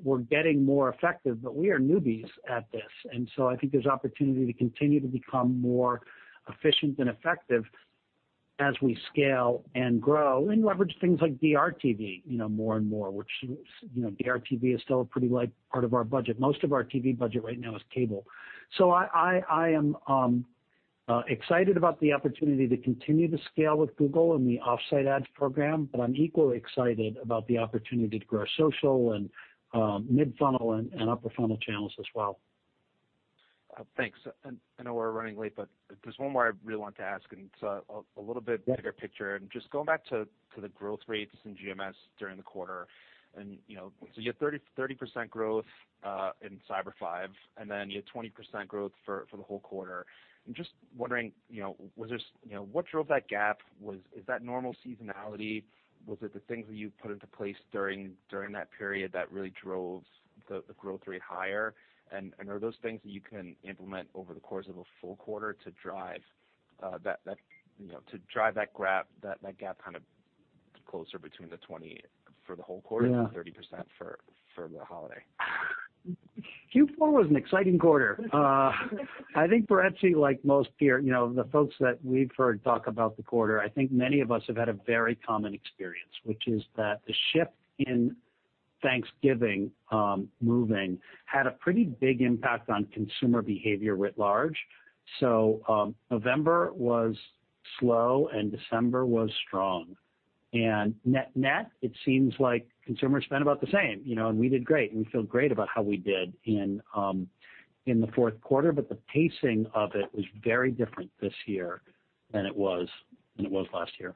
we're getting more effective, but we are newbies at this, and so I think there's opportunity to continue to become more efficient and effective as we scale and grow and leverage things like DRTV more and more, which DRTV is still a pretty light part of our budget. Most of our TV budget right now is cable. I am excited about the opportunity to continue to scale with Google and the Offsite Ads program, but I'm equally excited about the opportunity to grow social and mid-funnel and upper funnel channels as well. Thanks. I know we're running late, but there's one more I really wanted to ask, and it's a little bit bigger picture. Just going back to the growth rates in GMS during the quarter. You had 30% growth in Cyber Five, and then you had 20% growth for the whole quarter. I'm just wondering, what drove that gap? Is that normal seasonality? Was it the things that you put into place during that period that really drove the growth rate higher? Are those things that you can implement over the course of a full quarter to drive that gap closer between the 20% for the whole quarter? Yeah The 30% for the holiday? Q4 was an exciting quarter. I think for Etsy, like most the folks that we've heard talk about the quarter, I think many of us have had a very common experience, which is that the shift in Thanksgiving moving had a pretty big impact on consumer behavior writ large. November was slow and December was strong. Net, it seems like consumers spent about the same, and we did great, and we feel great about how we did in the fourth quarter. The pacing of it was very different this year than it was last year.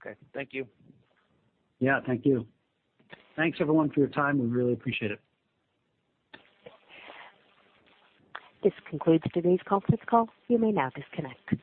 Okay. Thank you. Yeah. Thank you. Thanks everyone for your time. We really appreciate it. This concludes today's conference call. You may now disconnect.